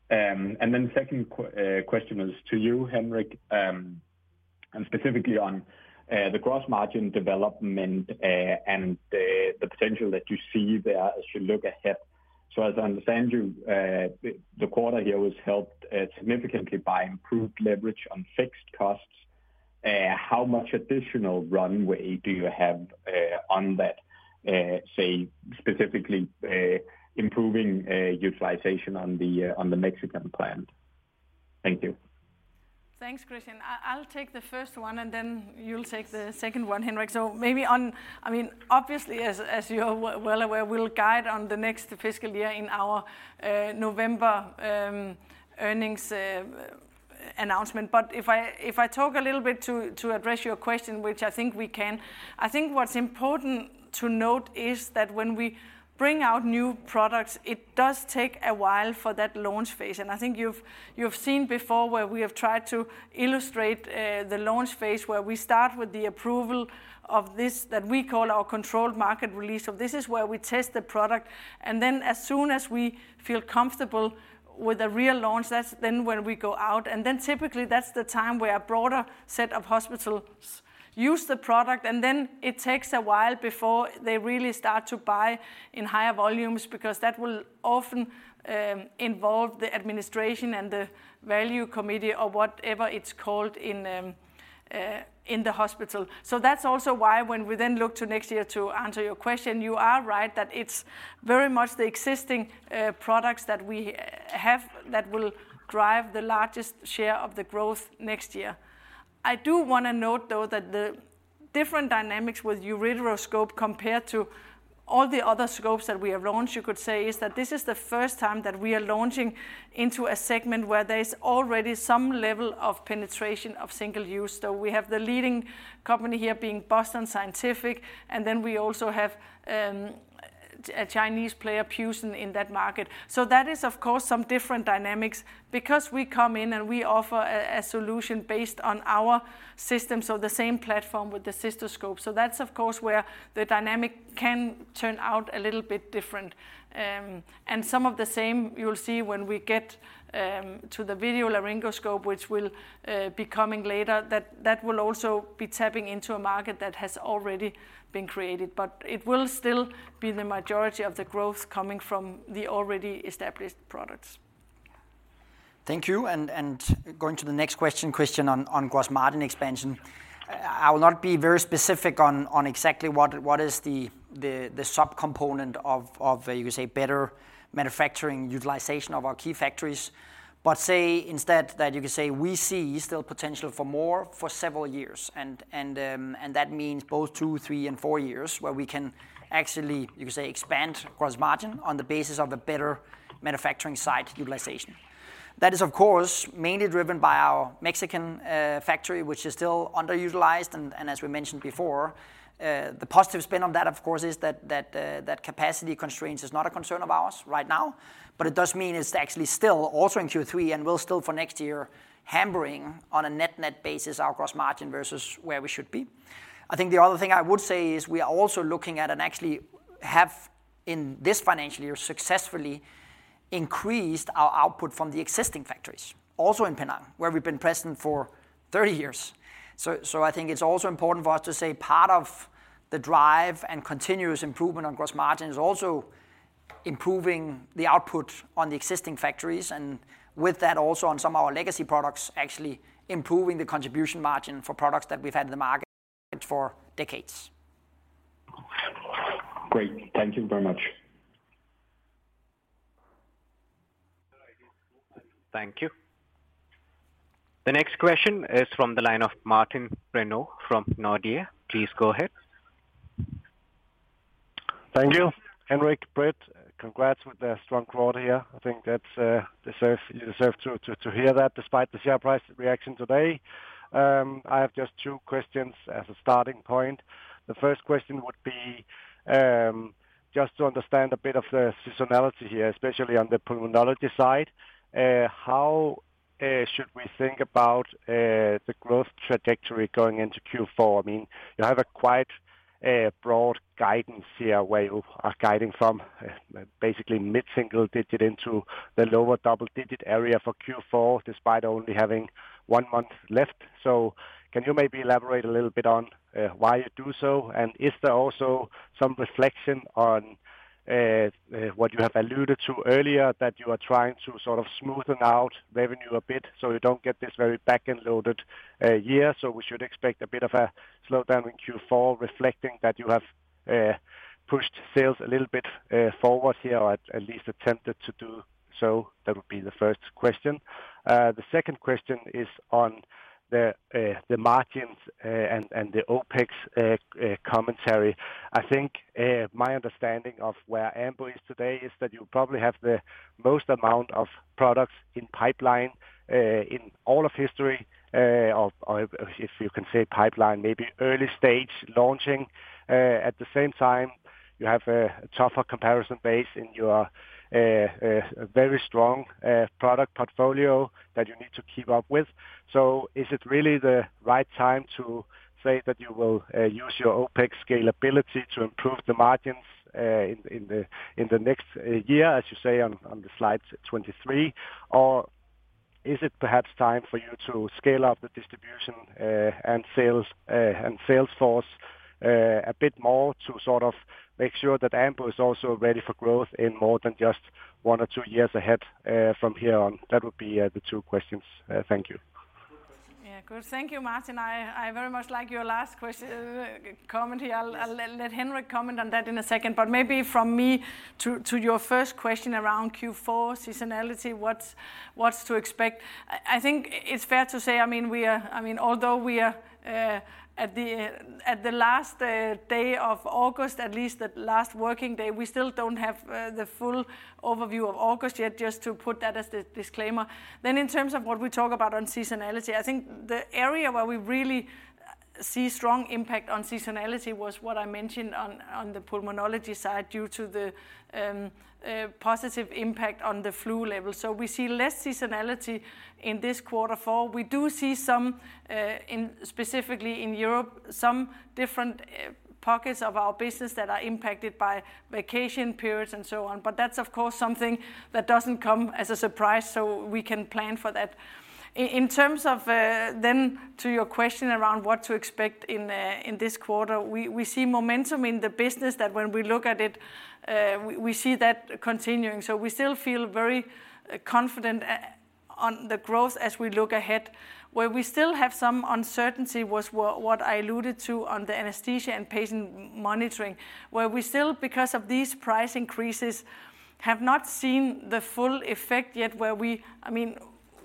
And then second qu- question is to you, Henrik, and specifically on, the gross margin development, and the, the potential that you see there as you look ahead. So as I understand you, the quarter here was helped significantly by improved leverage on fixed costs. How much additional runway do you have on that, say specifically, improving utilization on the Mexican plant? Thank you. Thanks, Christian. I'll take the first one, and then you'll take the second one, Henrik. So maybe on, I mean, obviously, as you are well aware, we'll guide on the next fiscal year in our November earnings call announcement. But if I talk a little bit to address your question, which I think we can, I think what's important to note is that when we bring out new products, it does take a while for that launch phase. And I think you've seen before where we have tried to illustrate the launch phase, where we start with the approval of this, that we call our controlled market release. So this is where we test the product, and then as soon as we feel comfortable with the real launch, that's then when we go out, and then typically, that's the time where a broader set of hospitals use the product. And then it takes a while before they really start to buy in higher volumes, because that will often involve the administration and the value committee or whatever it's called in the hospital. So that's also why when we then look to next year, to answer your question, you are right, that it's very much the existing products that we have that will drive the largest share of the growth next year. I do wanna note, though, that the different dynamics with ureteroscope, compared to all the other scopes that we have launched, you could say, is that this is the first time that we are launching into a segment where there is already some level of penetration of single use. So we have the leading company here being Boston Scientific, and then we also have a Chinese player, Pusen, in that market. So that is, of course, some different dynamics because we come in and we offer a solution based on our system, so the same platform with the cystoscope. So that's, of course, where the dynamic can turn out a little bit different. And some of the same you'll see when we get to the video laryngoscopy, which will be coming later. That will also be tapping into a market that has already been created. But it will still be the majority of the growth coming from the already established products. Thank you, and going to the next question, question on gross margin expansion. I will not be very specific on exactly what is the subcomponent of, you could say, better manufacturing utilization of our key factories. But say instead that you could say, we see still potential for more for several years, and that means both two, three, and four years, where we can actually, you could say, expand gross margin on the basis of a better manufacturing site utilization. That is, of course, mainly driven by our Mexican factory, which is still underutilized. And as we mentioned before, the positive spin on that, of course, is that capacity constraints is not a concern of ours right now. But it does mean it's actually still also in Q3 and will still for next year, hampering on a net-net basis our gross margin versus where we should be. I think the other thing I would say is we are also looking at, and actually have in this financial year, successfully increased our output from the existing factories, also in Penang, where we've been present for thirty years. So, I think it's also important for us to say part of the drive and continuous improvement on gross margin is also improving the output on the existing factories, and with that, also on some of our legacy products, actually improving the contribution margin for products that we've had in the market for decades. Great. Thank you very much. Thank you. The next question is from the line of Martin Renaud from Nordea. Please go ahead. Thank you. Henrik, Britt, congrats with the strong quarter here. I think that's deserves you deserve to hear that despite the share price reaction today. I have just two questions as a starting point. The first question would be just to understand a bit of the seasonality here, especially on the pulmonology side. How should we think about the growth trajectory going into Q4? I mean, you have a quite broad guidance here, where you are guiding from basically mid-single digit into the lower double-digit area for Q4, despite only having one month left. So can you maybe elaborate a little bit on why you do so? And is there also some reflection on what you have alluded to earlier, that you are trying to sort of smoothen out revenue a bit, so you don't get this very back-end loaded year? So we should expect a bit of a slowdown in Q4, reflecting that you have pushed sales a little bit forward here, or at least attempted to do so. That would be the first question. The second question is on the margins and the OpEx commentary. I think my understanding of where Ambu is today is that you probably have the most amount of products in pipeline in all of history, or if you can say pipeline, maybe early stage launching. At the same time, you have a tougher comparison base in your very strong product portfolio that you need to keep up with. So is it really the right time to say that you will use your OpEx scalability to improve the margins in the next year, as you say on the slide twenty-three? Or is it perhaps time for you to scale up the distribution and sales and sales force a bit more to sort of make sure that Ambu is also ready for growth in more than just one or two years ahead from here on? That would be the two questions. Thank you. Yeah, good. Thank you, Martin. I, I very much like your last question, comment here. I'll, I'll let Henrik comment on that in a second, but maybe from me to, to your first question around Q4 seasonality, what's, what's to expect? I, I think it's fair to say, I mean, we are. I mean, although we are, at the, at the last, day of August, at least the last working day, we still don't have, the full overview of August yet, just to put that as the disclaimer. Then in terms of what we talk about on seasonality, I think the area where we really see strong impact on seasonality was what I mentioned on, on the pulmonology side due to the, positive impact on the flu season. So we see less seasonality in this quarter four. We do see some, in specifically in Europe, some different pockets of our business that are impacted by vacation periods and so on, but that's, of course, something that doesn't come as a surprise, so we can plan for that. In terms of, then to your question around what to expect in, in this quarter, we see momentum in the business that when we look at it, we see that continuing. So we still feel very confident on the growth as we look ahead. Where we still have some uncertainty was what I alluded to on the Anesthesia and Patient Monitoring, where we still, because of these price increases, have not seen the full effect yet, where we... I mean,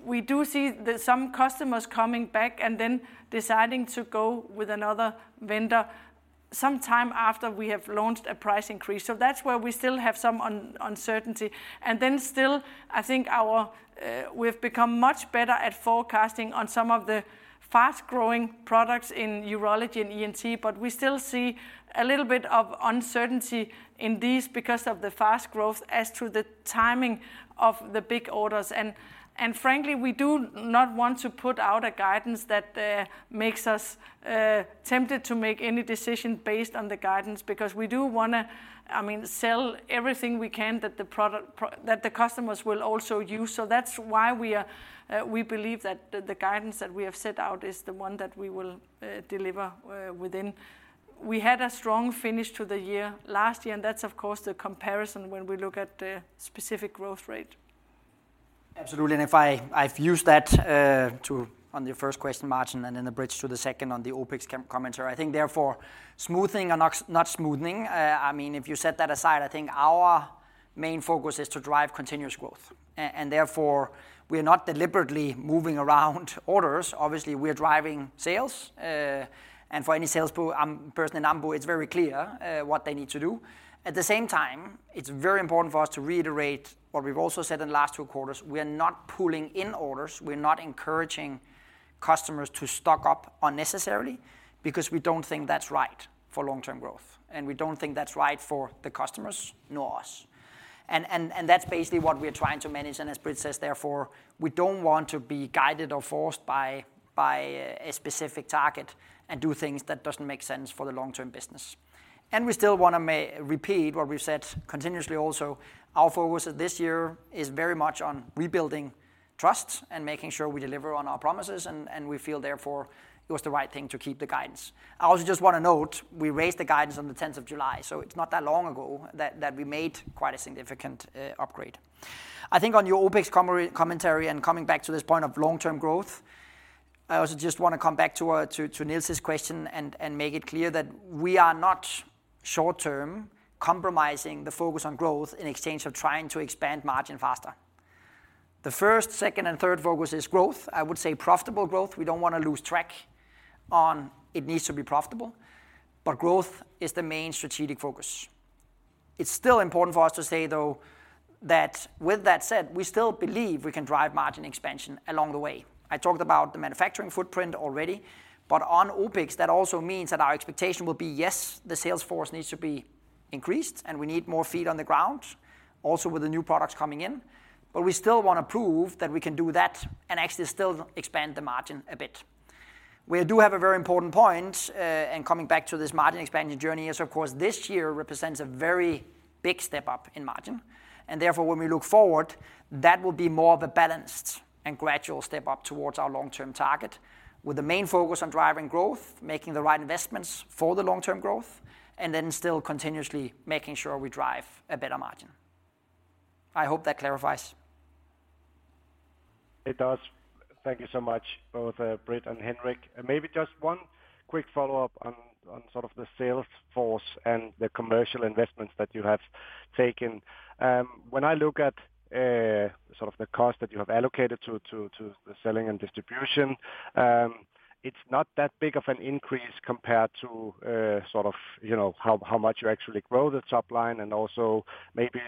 we do see some customers coming back and then deciding to go with another vendor sometime after we have launched a price increase. So that's where we still have some uncertainty. And then still, I think we've become much better at forecasting on some of the fast-growing products in urology and ENT, but we still see a little bit of uncertainty in these because of the fast growth as to the timing of the big orders. And frankly, we do not want to put out a guidance that makes us tempted to make any decision based on the guidance, because we do wanna, I mean, sell everything we can that the product, that the customers will also use. That's why we believe that the guidance that we have set out is the one that we will deliver within. We had a strong finish to the year last year, and that's, of course, the comparison when we look at the specific growth rate. Absolutely, and if I, I've used that, to on your first question, Martin, and then the bridge to the second on the OpEx commentary. I think therefore, smoothing or not, not smoothing, I mean, if you set that aside, I think our main focus is to drive continuous growth, and therefore, we are not deliberately moving around orders. Obviously, we are driving sales, and for any salesperson in Ambu, it's very clear, what they need to do. At the same time, it's very important for us to reiterate what we've also said in the last two quarters: we are not pulling in orders. We're not encouraging customers to stock up unnecessarily because we don't think that's right for long-term growth, and we don't think that's right for the customers nor us. That's basically what we are trying to manage, and as Britt says, therefore, we don't want to be guided or forced by a specific target and do things that doesn't make sense for the long-term business. We still wanna repeat what we've said continuously also. Our focus this year is very much on rebuilding trust and making sure we deliver on our promises, and we feel therefore it was the right thing to keep the guidance. I also just want to note, we raised the guidance on the 10th of July, so it's not that long ago that we made quite a significant upgrade. I think on your OpEx commentary and coming back to this point of long-term growth, I also just want to come back to to Niels' question and make it clear that we are not short term compromising the focus on growth in exchange of trying to expand margin faster. The first, second, and third focus is growth. I would say profitable growth. We don't want to lose track on it needs to be profitable, but growth is the main strategic focus. It's still important for us to say, though, that with that said, we still believe we can drive margin expansion along the way. I talked about the manufacturing footprint already, but on OpEx, that also means that our expectation will be, yes, the sales force needs to be increased, and we need more feet on the ground, also with the new products coming in, but we still want to prove that we can do that and actually still expand the margin a bit. We do have a very important point, and coming back to this margin expansion journey is, of course, this year represents a very big step up in margin, and therefore, when we look forward, that will be more of a balanced and gradual step up towards our long-term target, with the main focus on driving growth, making the right investments for the long-term growth, and then still continuously making sure we drive a better margin. I hope that clarifies. It does. Thank you so much, both, Britt and Henrik. And maybe just one quick follow-up on sort of the sales force and the commercial investments that you have taken. When I look at sort of the cost that you have allocated to the selling and distribution, it's not that big of an increase compared to sort of, you know, how much you actually grow the top line and also maybe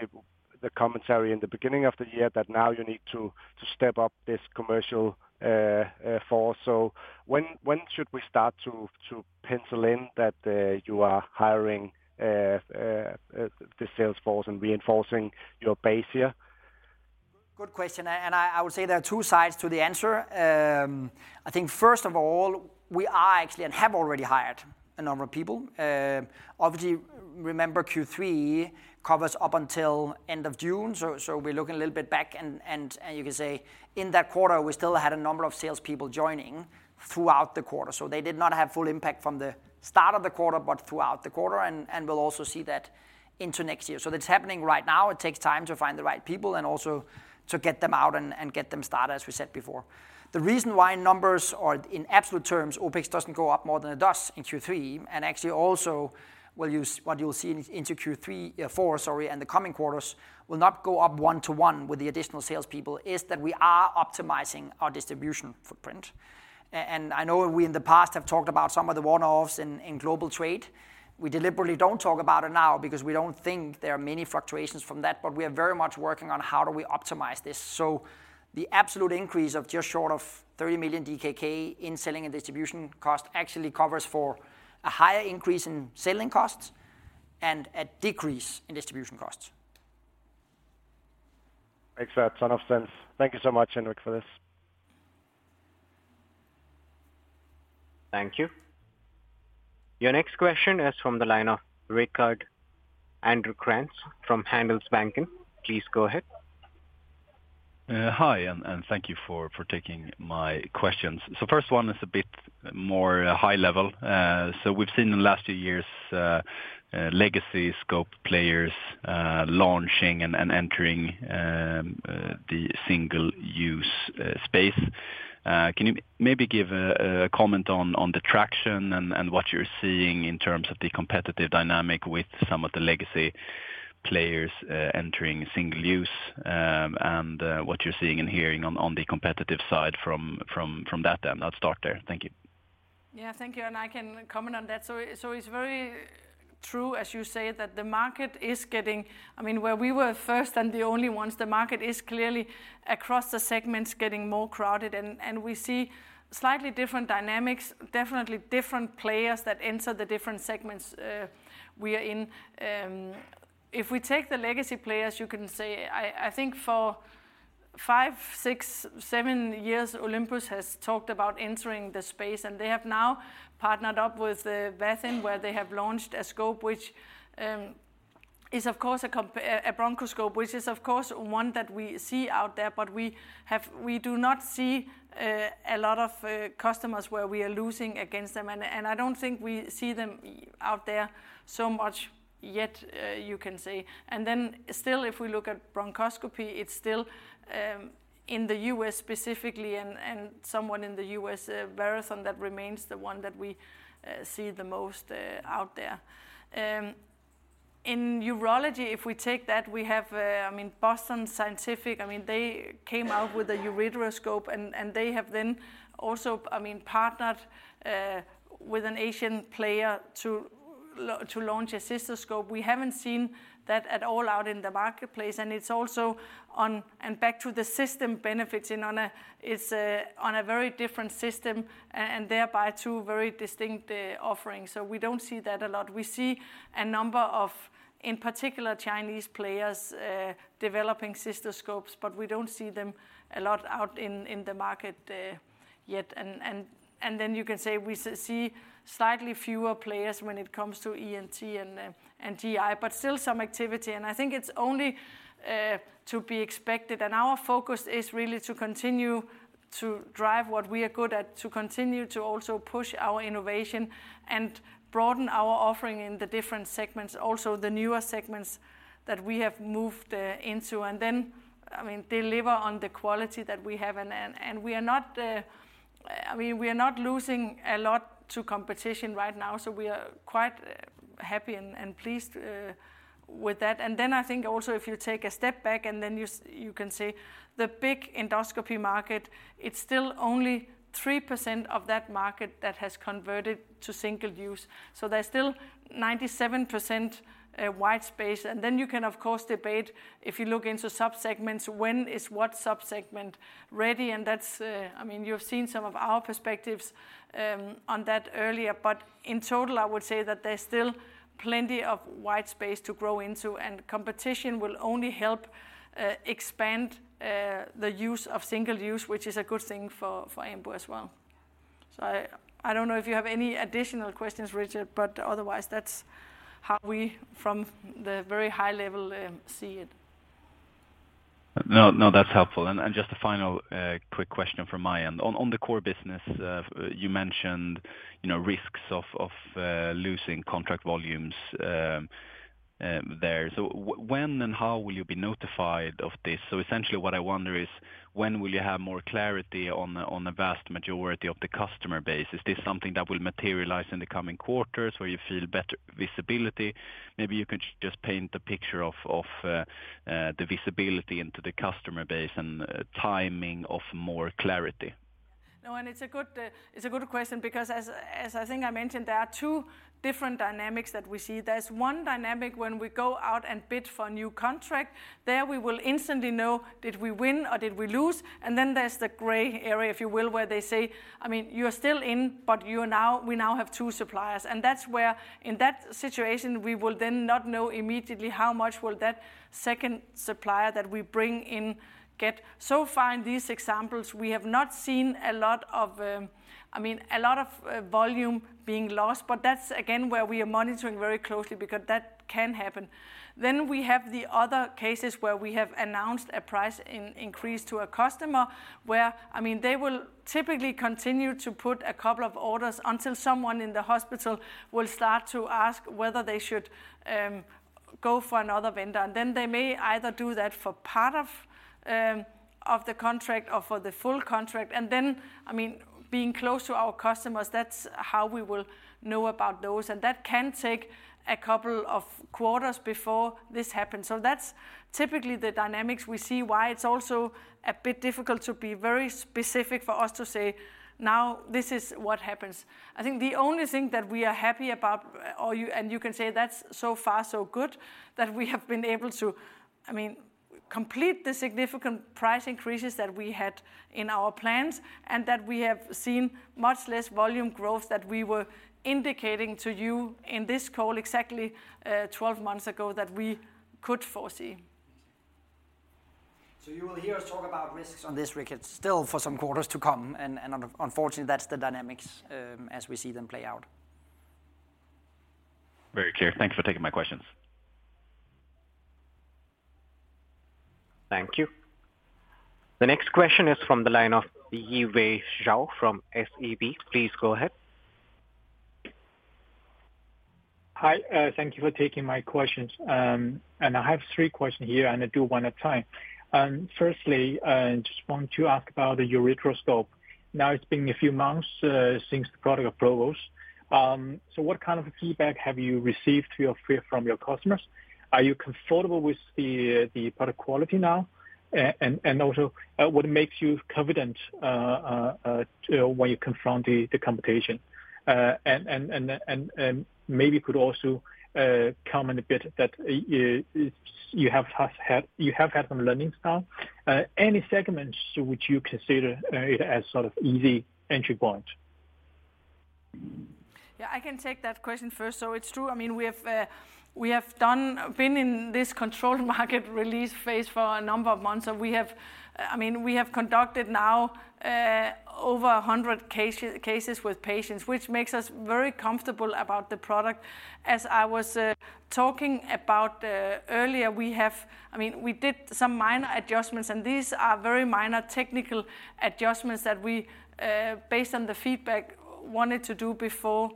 the commentary in the beginning of the year that now you need to step up this commercial force. So when should we start to pencil in that you are hiring the sales force and reinforcing your base here? Good question, and I would say there are two sides to the answer. I think first of all, we are actually and have already hired a number of people. Obviously, remember Q3 covers up until end of June, so we're looking a little bit back, and you can say in that quarter, we still had a number of salespeople joining throughout the quarter. So they did not have full impact from the start of the quarter but throughout the quarter, and we'll also see that into next year. So it's happening right now. It takes time to find the right people and also to get them out and get them started, as we said before. The reason why numbers are in absolute terms, OpEx doesn't go up more than it does in Q3, and actually also what you'll see into Q4 and the coming quarters, will not go up one to one with the additional salespeople, is that we are optimizing our distribution footprint, and I know we in the past have talked about some of the one-offs in global trade. We deliberately don't talk about it now because we don't think there are many fluctuations from that, but we are very much working on how do we optimize this. So the absolute increase of just short of 30 million DKK in selling and distribution costs actually covers for a higher increase in selling costs and a decrease in distribution costs. Makes a ton of sense. Thank you so much, Henrik, for this. Thank you. Your next question is from the line of Rickard Andrén from Handelsbanken. Please go ahead. Hi, and thank you for taking my questions. First one is a bit more high level. We've seen in the last few years legacy scope players launching and entering the single-use space. Can you maybe give a comment on the traction and what you're seeing in terms of the competitive dynamic with some of the legacy players entering single use, and what you're seeing and hearing on the competitive side from that then? I'll start there. Thank you. Yeah, thank you, and I can comment on that. So it's very true, as you say, that the market is getting... I mean, where we were first and the only ones, the market is clearly across the segments getting more crowded, and we see slightly different dynamics, definitely different players that enter the different segments we are in. If we take the legacy players, you can say, I think for five, six, seven years, Olympus has talked about entering the space, and they have now partnered up with Vathin, where they have launched a scope, which is of course a bronchoscope, which is of course one that we see out there, but we do not see a lot of customers where we are losing against them. I don't think we see them out there so much yet, you can say. Then still, if we look at bronchoscopy, it's still in the U.S. specifically and someone in the U.S., Verathon, that remains the one that we see the most out there. In urology, if we take that, we have I mean, Boston Scientific, I mean, they came out with a ureteroscope, and they have then also I mean, partnered with an Asian player to launch a cystoscope. We haven't seen that at all out in the marketplace, and it's also on and back to the system benefits, it's on a very different system and thereby two very distinct offerings, so we don't see that a lot. We see a number of, in particular, Chinese players developing cystoscopes, but we don't see them a lot out in the market yet. Then you can say we see slightly fewer players when it comes to ENT and GI, but still some activity, and I think it's only to be expected. Our focus is really to continue to drive what we are good at, to continue to also push our innovation and broaden our offering in the different segments, also the newer segments that we have moved into, and then, I mean, deliver on the quality that we have. We are not, I mean, we are not losing a lot to competition right now, so we are quite happy and pleased with that. I think also if you take a step back, then you can say the big endoscopy market, it's still only 3% of that market that has converted to single use, so there's still 97% white space. You can, of course, debate if you look into subsegments, when is what subsegment ready, and that's... I mean, you've seen some of our perspectives on that earlier. In total, I would say that there's still plenty of white space to grow into, and competition will only help expand the use of single use, which is a good thing for Ambu as well. I don't know if you have any additional questions, Rickard, but otherwise, that's how we, from the very high level, see it. No, no, that's helpful. And just a final quick question from my end. On the core business, you mentioned, you know, risks of losing contract volumes there. So when and how will you be notified of this? So essentially, what I wonder is, when will you have more clarity on the vast majority of the customer base? Is this something that will materialize in the coming quarters, where you feel better visibility? Maybe you can just paint a picture of the visibility into the customer base and timing of more clarity. No, and it's a good question because as I think I mentioned, there are two different dynamics that we see. There's one dynamic when we go out and bid for a new contract. There, we will instantly know, did we win or did we lose? And then there's the gray area, if you will, where they say, "I mean, you're still in, but you are now- we now have two suppliers." And that's where in that situation, we will then not know immediately how much will that second supplier that we bring in get. So far, in these examples, we have not seen a lot of volume being lost, but that's again where we are monitoring very closely because that can happen. Then we have the other cases where we have announced a price increase to a customer, where, I mean, they will typically continue to put a couple of orders until someone in the hospital will start to ask whether they should go for another vendor. And then they may either do that for part of the contract or for the full contract. And then, I mean, being close to our customers, that's how we will know about those, and that can take a couple of quarters before this happens. So that's typically the dynamics we see, why it's also a bit difficult to be very specific for us to say, "Now, this is what happens." I think the only thing that we are happy about, or you, and you can say that's so far so good, that we have been able to, I mean. complete the significant price increases that we had in our plans, and that we have seen much less volume growth that we were indicating to you in this call exactly twelve months ago that we could foresee. So you will hear us talk about risks on this record still for some quarters to come, and unfortunately, that's the dynamics, as we see them play out. Very clear. Thank you for taking my questions. Thank you. The next question is from the line of Yiwei Zhao from SEB. Please go ahead. Hi, thank you for taking my questions. And I have three questions here, and I do one at a time. Firstly, I just want to ask about the ureteroscope. Now, it's been a few months since the product approvals. So what kind of feedback have you received from your customers? Are you comfortable with the product quality now? And also, what makes you confident when you confront the competition? And maybe you could also comment a bit that you have had some learnings now. Any segments which you consider as sort of easy entry point? Yeah, I can take that question first. So it's true, I mean, we have been in this controlled market release phase for a number of months, so we have, I mean, we have conducted now over a hundred cases with patients, which makes us very comfortable about the product. As I was talking about earlier, we have, I mean, we did some minor adjustments, and these are very minor technical adjustments that we, based on the feedback, wanted to do before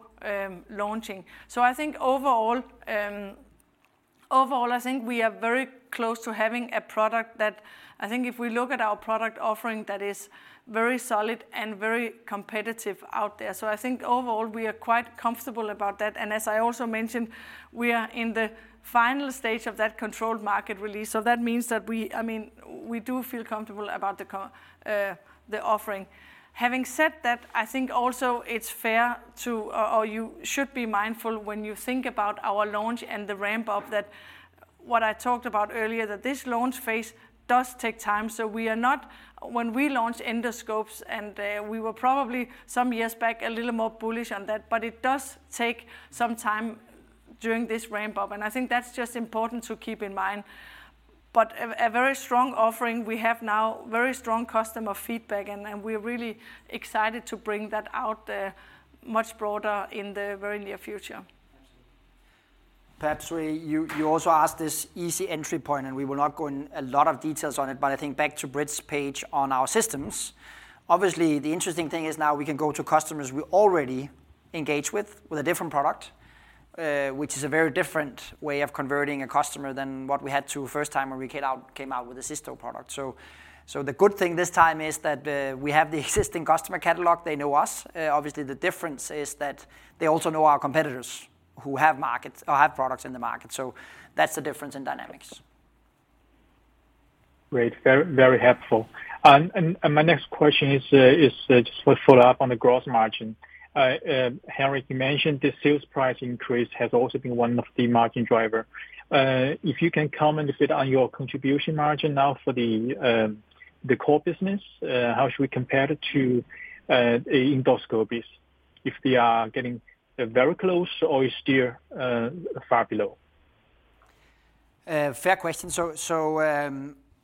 launching. So I think overall, I think we are very close to having a product that I think if we look at our product offering, that is very solid and very competitive out there. I think overall, we are quite comfortable about that, and as I also mentioned, we are in the final stage of that controlled market release. That means that we, I mean, we do feel comfortable about the offering. Having said that, I think also it's fair to, or you should be mindful when you think about our launch and the ramp-up, that what I talked about earlier, that this launch phase does take time, so we are not... When we launched endoscopes, and we were probably some years back, a little more bullish on that, but it does take some time during this ramp-up, and I think that's just important to keep in mind. But a very strong offering we have now, very strong customer feedback, and we're really excited to bring that out there much broader in the very near future. Perhaps we, you also asked this easy entry point, and we will not go in a lot of details on it, but I think back to Britt's page on our systems. Obviously, the interesting thing is now we can go to customers we already engage with, with a different product, which is a very different way of converting a customer than what we had to first time when we came out with a system product. So the good thing this time is that, we have the existing customer catalog. They know us. Obviously, the difference is that they also know our competitors who have markets or have products in the market, so that's the difference in dynamics. Great, very, very helpful. And my next question is, just to follow up on the gross margin. Henrik, you mentioned the sales price increase has also been one of the margin driver. If you can comment a bit on your contribution margin now for the, the core business, how should we compare it to, endoscopy, if they are getting, very close or is still, far below? Fair question, so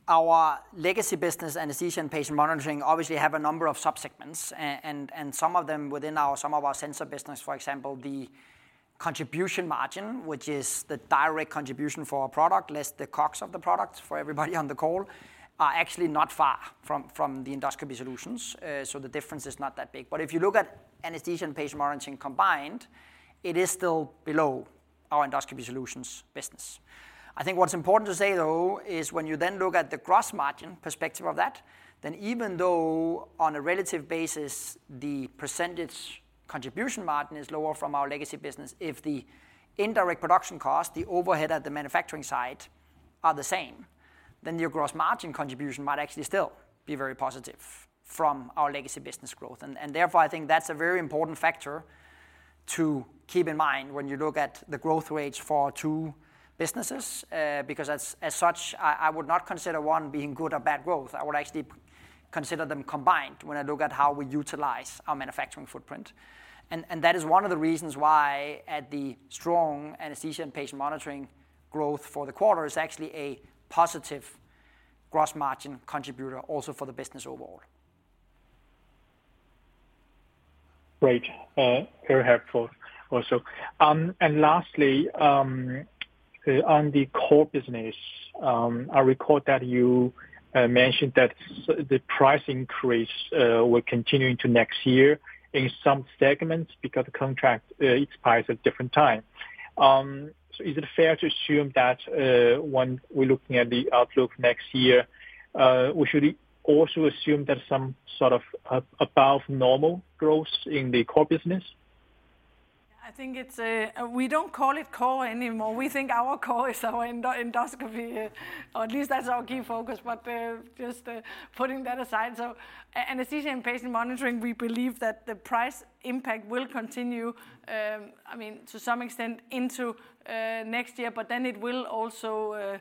our legacy business, Anesthesia and Patient Monitoring, obviously have a number of subsegments and some of them within our sensor business, for example, the contribution margin, which is the direct contribution for our product, less the COGS of the product for everybody on the call, are actually not far from the Endoscopy Solutions, so the difference is not that big, but if you look at Anesthesia and Patient Monitoring combined, it is still below our Endoscopy Solutions business. I think what's important to say, though, is when you then look at the gross margin perspective of that, then even though on a relative basis, the percentage contribution margin is lower from our legacy business, if the indirect production cost, the overhead at the manufacturing site, are the same, then your gross margin contribution might actually still be very positive from our legacy business growth. And therefore, I think that's a very important factor to keep in mind when you look at the growth rates for two businesses. Because as such, I would not consider one being good or bad growth. I would actually consider them combined when I look at how we utilize our manufacturing footprint. That is one of the reasons why the strong Anesthesia and Patient Monitoring growth for the quarter is actually a positive gross margin contributor also for the business overall. Great, very helpful also. And lastly, on the core business, I recall that you mentioned that the price increase will continue into next year in some segments because the contract expires at different time. So is it fair to assume that, when we're looking at the outlook next year, we should also assume there's some sort of above normal growth in the core business? I think it's. We don't call it core anymore. We think our core is our endo- endoscopy, or at least that's our key focus, but just putting that aside, so Anesthesia and Patient Monitoring, we believe that the price impact will continue. I mean, to some extent into next year, but then it will also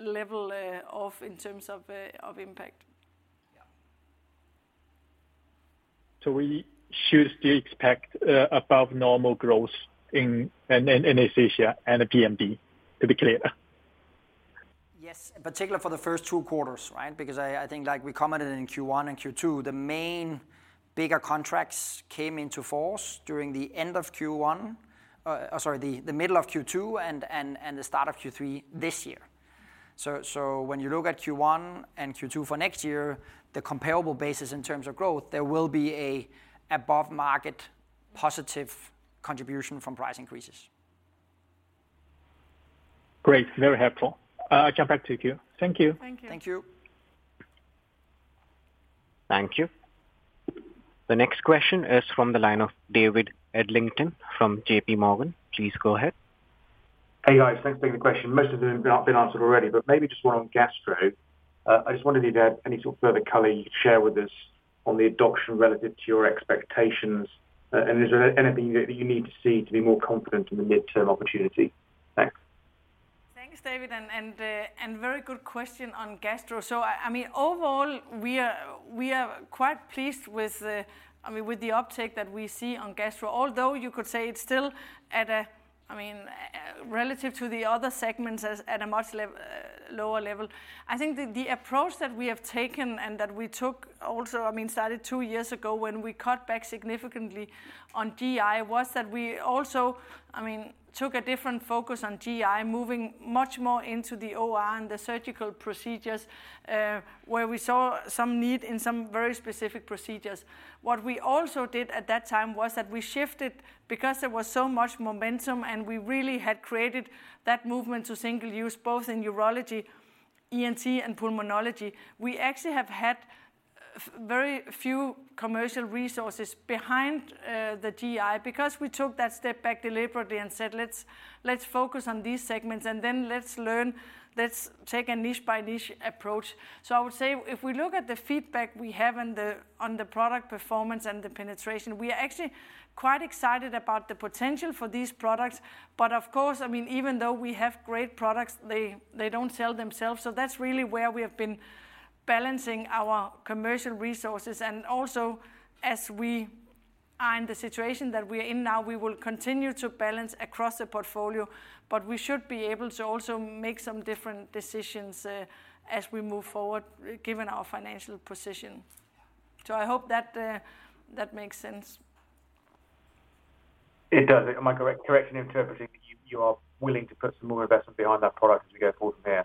level off in terms of impact. Yeah. So we should still expect above normal growth in Anesthesia and PMV, to be clear? Yes, in particular for the first two quarters, right? Because I think like we commented in Q1 and Q2, the main bigger contracts came into force during the end of Q1, the middle of Q2 and the start of Q3 this year. So when you look at Q1 and Q2 for next year, the comparable basis in terms of growth, there will be a above market positive contribution from price increases. Great, very helpful. I'll get back to you. Thank you. Thank you. Thank you. Thank you. The next question is from the line of David Adlington from J.P. Morgan. Please go ahead. Hey, guys. Thanks for the question. Most of them have been answered already, but maybe just one on gastro. I just wondered if you'd had any sort of further color you could share with us on the adoption relative to your expectations. And is there anything that you need to see to be more confident in the midterm opportunity? Thanks. Thanks, David, and very good question on gastro. So I mean, overall, we are quite pleased with the I mean, with the uptake that we see on gastro, although you could say it's still at a I mean, relative to the other segments, at a much lower level. I think the approach that we have taken and that we took also I mean, started two years ago when we cut back significantly on GI, was that we also I mean, took a different focus on GI, moving much more into the OR and the surgical procedures, where we saw some need in some very specific procedures. What we also did at that time was that we shifted, because there was so much momentum, and we really had created that movement to single use, both in Urology, ENT, and Pulmonology. We actually have had very few commercial resources behind the GI because we took that step back deliberately and said, "Let's focus on these segments, and then let's learn, let's take a niche by niche approach." So I would say, if we look at the feedback we have on the product performance and the penetration, we are actually quite excited about the potential for these products. But of course, I mean, even though we have great products, they don't sell themselves. So that's really where we have been balancing our commercial resources. And also, as we are in the situation that we are in now, we will continue to balance across the portfolio, but we should be able to also make some different decisions as we move forward, given our financial position. So I hope that that makes sense. It does. Am I correct in interpreting that you are willing to put some more investment behind that product as we go forward from here?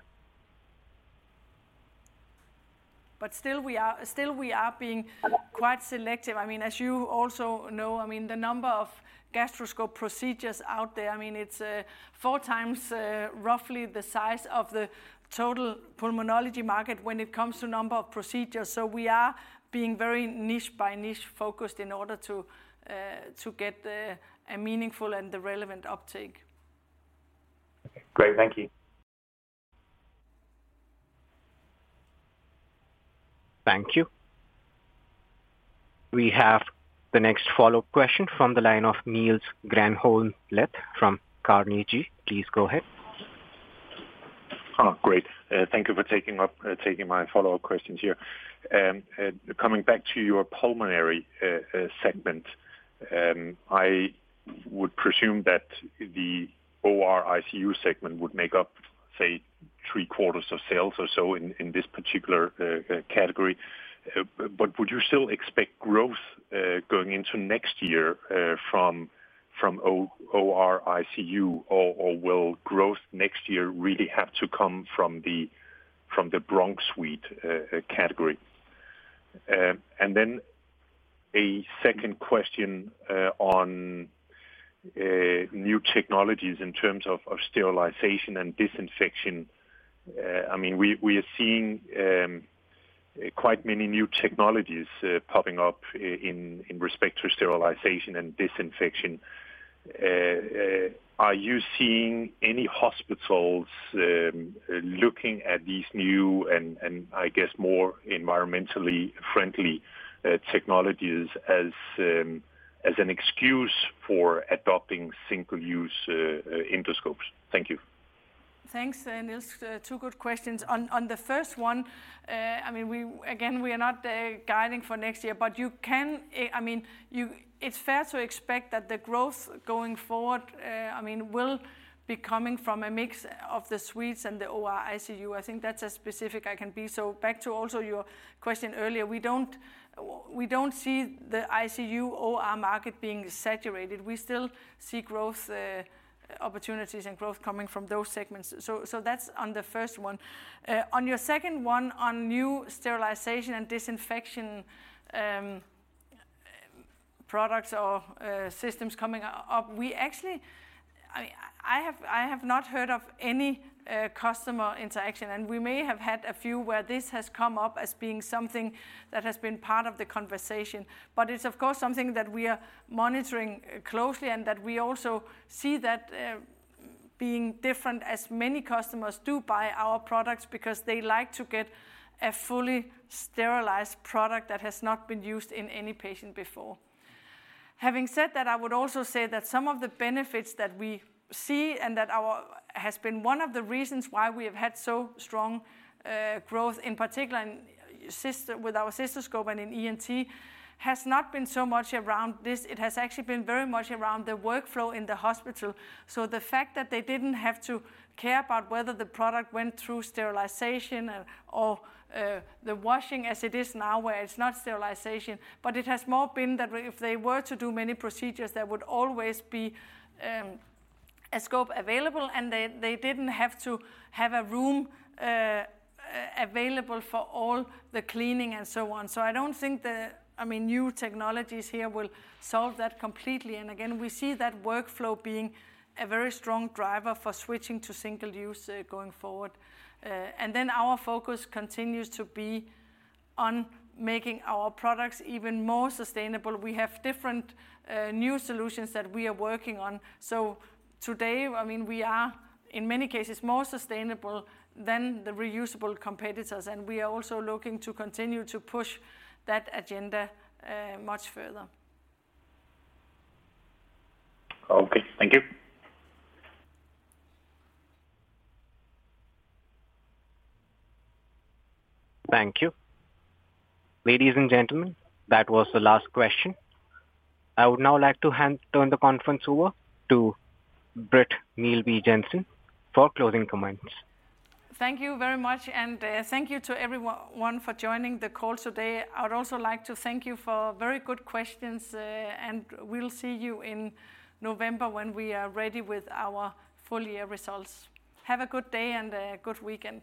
But still we are, still we are being quite selective. I mean, as you also know, I mean, the number of gastroscope procedures out there, I mean, it's four times, roughly the size of the total pulmonology market when it comes to number of procedures. So we are being very niche by niche focused in order to get a meaningful and the relevant uptake. Great. Thank you. Thank you. We have the next follow-up question from the line of Niels Granholm-Leth from Carnegie. Please go ahead. Great. Thank you for taking my follow-up questions here. Coming back to your pulmonary segment, I would presume that the OR ICU segment would make up, say, three quarters of sales or so in this particular category. But would you still expect growth going into next year from OR ICU, or will growth next year really have to come from the bronch suite category? And then a second question on new technologies in terms of sterilization and disinfection. I mean, we are seeing quite many new technologies popping up in respect to sterilization and disinfection. Are you seeing any hospitals looking at these new and I guess more environmentally friendly endoscopes? Thank you. Thanks, Niels. Two good questions. On the first one, I mean, we again are not guiding for next year, but you can, I mean, it's fair to expect that the growth going forward, I mean, will be coming from a mix of the suites and the OR ICU. I think that's as specific I can be. So back to also your question earlier, we don't, we don't see the ICU OR market being saturated. We still see growth opportunities and growth coming from those segments. So that's on the first one. On your second one, on new sterilization and disinfection products or systems coming up, we actually... I have not heard of any customer interaction, and we may have had a few where this has come up as being something that has been part of the conversation. But it's of course something that we are monitoring closely and that we also see that being different, as many customers do buy our products because they like to get a fully sterilized product that has not been used in any patient before. Having said that, I would also say that some of the benefits that we see and that our has been one of the reasons why we have had so strong growth, in particular in cysto, with our cystoscope and in ENT, has not been so much around this. It has actually been very much around the workflow in the hospital. So the fact that they didn't have to care about whether the product went through sterilization or the washing as it is now, where it's not sterilization. But it has more been that if they were to do many procedures, there would always be a scope available, and they didn't have to have a room available for all the cleaning and so on. So I don't think the, I mean, new technologies here will solve that completely. And again, we see that workflow being a very strong driver for switching to single-use going forward. And then our focus continues to be on making our products even more sustainable. We have different new solutions that we are working on. Today, I mean, we are, in many cases, more sustainable than the reusable competitors, and we are also looking to continue to push that agenda much further. Okay. Thank you. Thank you. Ladies and gentlemen, that was the last question. I would now like to turn the conference over to Britt Meelby Jensen for closing comments. Thank you very much, and thank you to everyone for joining the call today. I would also like to thank you for very good questions, and we'll see you in November when we are ready with our full year results. Have a good day and a good weekend.